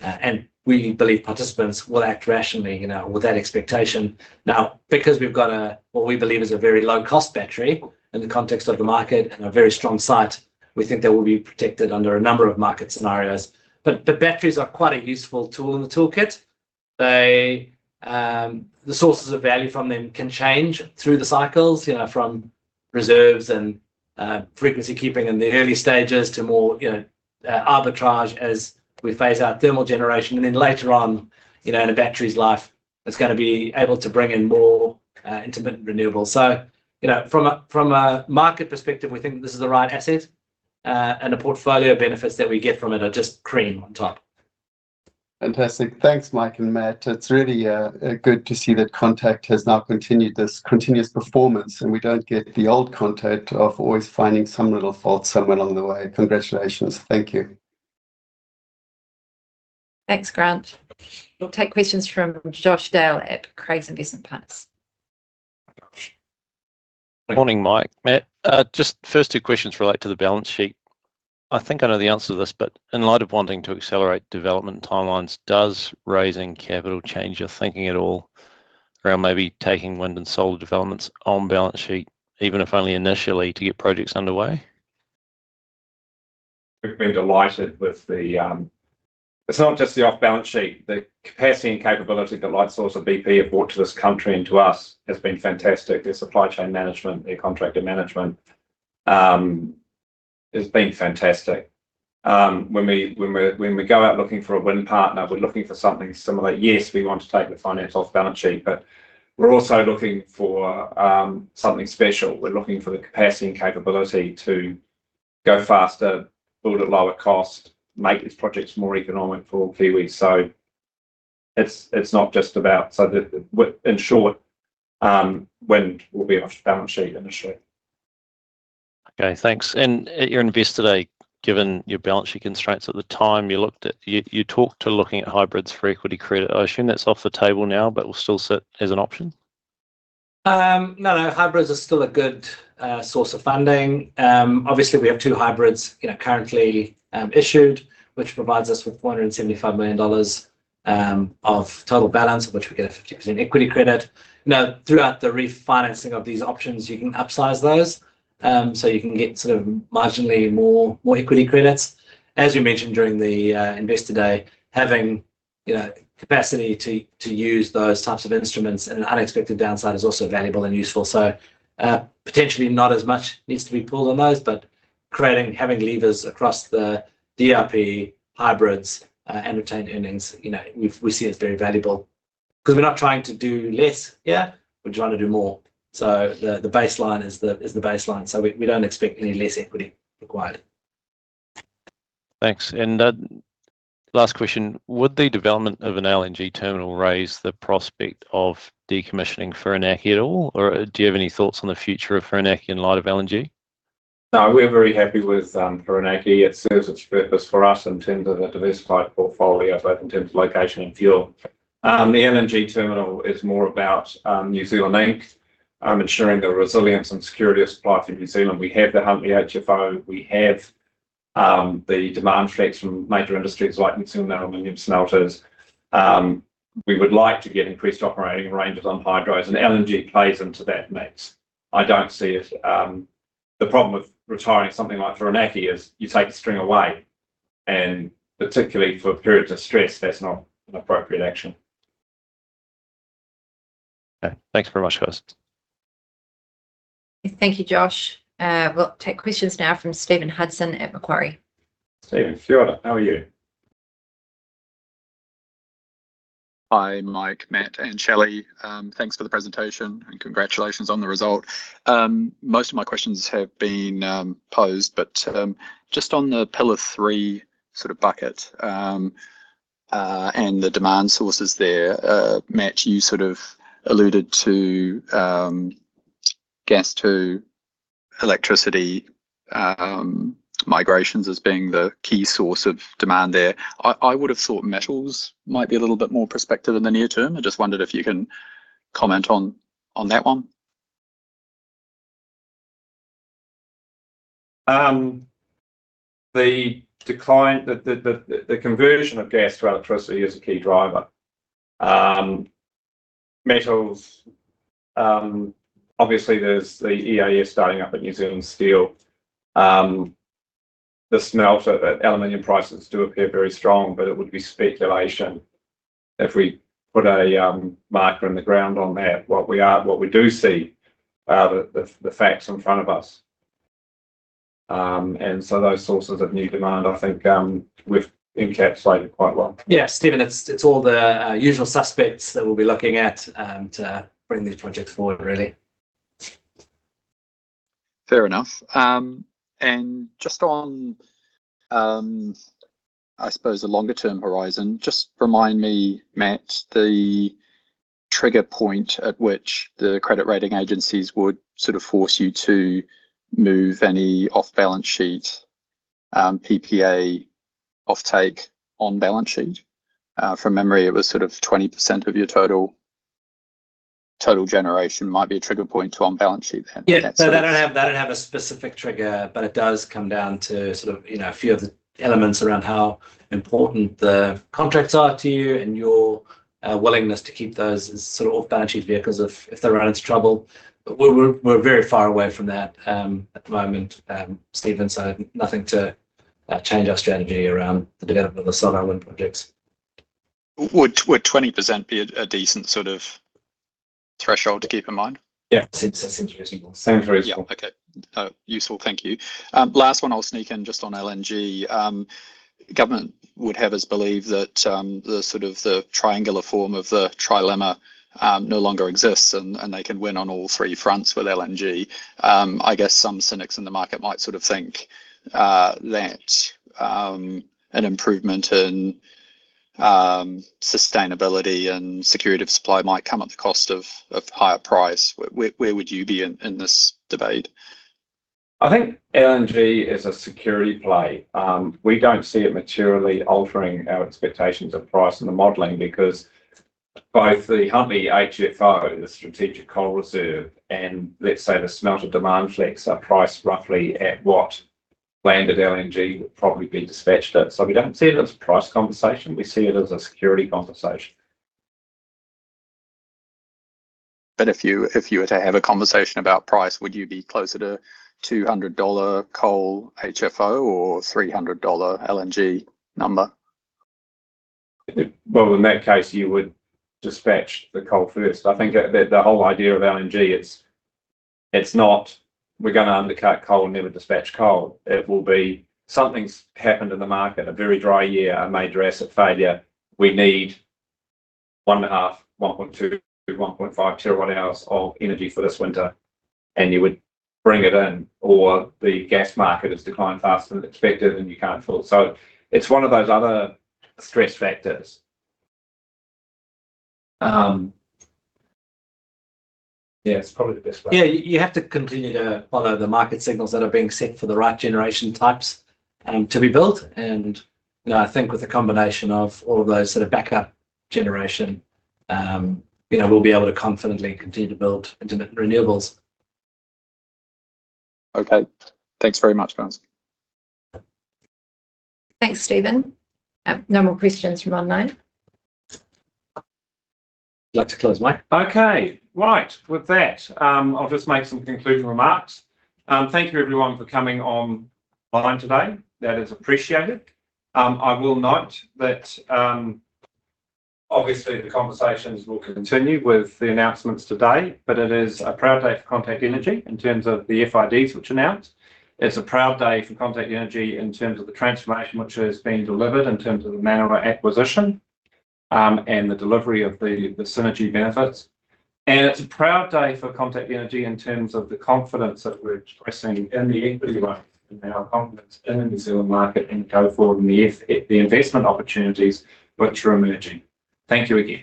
Speaker 2: And we believe participants will act rationally, you know, with that expectation. Now, because we've got what we believe is a very low-cost battery in the context of the market and a very strong site, we think they will be protected under a number of market scenarios. But the batteries are quite a useful tool in the toolkit. They, the sources of value from them can change through the cycles, you know, from reserves and frequency keeping in the early stages to more, you know, arbitrage as we phase out thermal generation. And then later on, you know, in a battery's life, it's gonna be able to bring in more, intermittent renewables. So, you know, from a, from a market perspective, we think this is the right asset, and the portfolio benefits that we get from it are just cream on top.
Speaker 6: Fantastic. Thanks, Mike and Matt. It's really good to see that Contact has now continued this continuous performance, and we don't get the old Contact of always finding some little fault somewhere along the way. Congratulations. Thank you.
Speaker 3: Thanks, Grant. We'll take questions from Josh Dale at Craigs Investment Partners.
Speaker 7: Morning, Mike, Matt. Just first two questions relate to the balance sheet. I think I know the answer to this, but in light of wanting to accelerate development timelines, does raising capital change your thinking at all around maybe taking wind and solar developments on balance sheet, even if only initially to get projects underway?
Speaker 1: We've been delighted with the. It's not just the off-balance sheet. The capacity and capability that Lightsource and BP have brought to this country and to us has been fantastic. Their supply chain management, their contractor management, has been fantastic. When we go out looking for a wind partner, we're looking for something similar. Yes, we want to take the finance off balance sheet, but we're also looking for something special. We're looking for the capacity and capability to go faster, build at lower cost, make these projects more economic for Kiwis. So it's not just about. So in short, wind will be off balance sheet initially.
Speaker 7: Okay, thanks. At your Investor Day, given your balance sheet constraints at the time, you talked to looking at hybrids for equity credit. I assume that's off the table now, but will still sit as an option?
Speaker 2: No, no, hybrids are still a good source of funding. Obviously, we have two hybrids, you know, currently issued, which provides us with 175 million dollars of total balance, of which we get a 50% equity credit. Now, throughout the refinancing of these options, you can upsize those, so you can get sort of marginally more equity credits. As we mentioned during the Investor Day, having, you know, capacity to use those types of instruments in an unexpected downside is also valuable and useful. So, potentially not as much needs to be pulled on those, but creating, having levers across the DRP hybrids and retained earnings, you know, we see as very valuable. Because we're not trying to do less, yeah? We're trying to do more. So the baseline is the baseline, so we don't expect any less equity required.
Speaker 7: Thanks. Last question: Would the development of an LNG terminal raise the prospect of decommissioning Whirinaki at all? Or do you have any thoughts on the future of Whirinaki in light of LNG?
Speaker 1: No, we're very happy with Whirinaki. It serves its purpose for us in terms of a diversified portfolio, both in terms of location and fuel. The LNG terminal is more about New Zealand Inc. ensuring the resilience and security of supply for New Zealand. We have the Huntly, HFO, we have the demand traits from major industries like New Zealand Aluminium Smelters. We would like to get increased operating ranges on hydros, and LNG plays into that mix. I don't see it. The problem with retiring something like Whirinaki is you take the string away, and particularly for a period of stress, that's not an appropriate action.
Speaker 7: Okay. Thanks very much, guys.
Speaker 3: Thank you, Josh. We'll take questions now from Stephen Hudson at Macquarie.
Speaker 1: Stephen, kia ora. How are you?
Speaker 8: Hi, Mike, Matt, and Shelley. Thanks for the presentation, and congratulations on the result. Most of my questions have been posed, but just on the pillar three sort of bucket, and the demand sources there, Matt, you sort of alluded to gas to electricity migrations as being the key source of demand there. I would have thought metals might be a little bit more prospective in the near term. I just wondered if you can comment on that one.
Speaker 1: The decline, the conversion of gas to electricity is a key driver. Metals, obviously there's the EAF starting up at New Zealand Steel. The smelter at aluminum prices do appear very strong, but it would be speculation if we put a marker in the ground on that. What we do see are the facts in front of us. And so those sources of new demand, I think, we've encapsulated quite well.
Speaker 2: Yeah, Stephen, it's all the usual suspects that we'll be looking at to bring these projects forward, really.
Speaker 8: Fair enough. Just on, I suppose the longer term horizon, just remind me, Matt, the trigger point at which the credit rating agencies would sort of force you to move any off-balance sheet, PPA offtake on balance sheet? From memory, it was sort of 20% of your total, total generation might be a trigger point to on balance sheet.
Speaker 2: Yeah. So they don't have a specific trigger, but it does come down to sort of, you know, a few of the elements around how important the contracts are to you and your willingness to keep those sort of off-balance sheet vehicles if they run into trouble. But we're very far away from that at the moment, Stephen, so nothing to change our strategy around the development of the solar and wind projects.
Speaker 8: Would twenty percent be a decent sort of threshold to keep in mind?
Speaker 2: Yeah, seems that seems reasonable. Sounds reasonable.
Speaker 8: Yeah. Okay, useful. Thank you. Last one I'll sneak in just on LNG. Government would have us believe that, the sort of the triangular form of the trilemma, no longer exists, and, and they can win on all three fronts with LNG. I guess some cynics in the market might sort of think, that, an improvement in, sustainability and security of supply might come at the cost of, of higher price. Where, where, where would you be in, in this debate?
Speaker 1: I think LNG is a security play. We don't see it materially altering our expectations of price in the modeling because both the Huntly HFO, the strategic coal reserve, and let's say the smelter demand flex, are priced roughly at what landed LNG would probably be dispatched at. So we don't see it as a price conversation, we see it as a security conversation.
Speaker 8: If you were to have a conversation about price, would you be closer to $200 coal HFO or $300 LNG number?
Speaker 1: Well, in that case, you would dispatch the coal first. I think that the whole idea of LNG, it's, it's not we're gonna undercut coal, never dispatch coal. It will be something's happened in the market, a very dry year, a major asset failure, we need 1.5, 1.2-1.5 TWh of energy for this winter, and you would bring it in, or the gas market has declined faster than expected and you can't fill it. So it's one of those other stress factors. Yeah, it's probably the best way.
Speaker 2: Yeah, you have to continue to follow the market signals that are being set for the right generation types to be built. And, you know, I think with the combination of all of those sort of backup generation, you know, we'll be able to confidently continue to build into renewables.
Speaker 8: Okay. Thanks very much, guys.
Speaker 3: Thanks, Stephen. No more questions from online.
Speaker 2: I'd like to close, Mike.
Speaker 1: Okay. Right, with that, I'll just make some concluding remarks. Thank you everyone for coming online today, that is appreciated. I will note that, obviously the conversations will continue with the announcements today, but it is a proud day for Contact Energy in terms of the FIDs which announced. It's a proud day for Contact Energy in terms of the transformation which has been delivered, in terms of the Manawa acquisition, and the delivery of the, the synergy benefits. And it's a proud day for Contact Energy in terms of the confidence that we're expressing in the equity raise, and our confidence in the New Zealand market and go forward and the the investment opportunities which are emerging. Thank you again.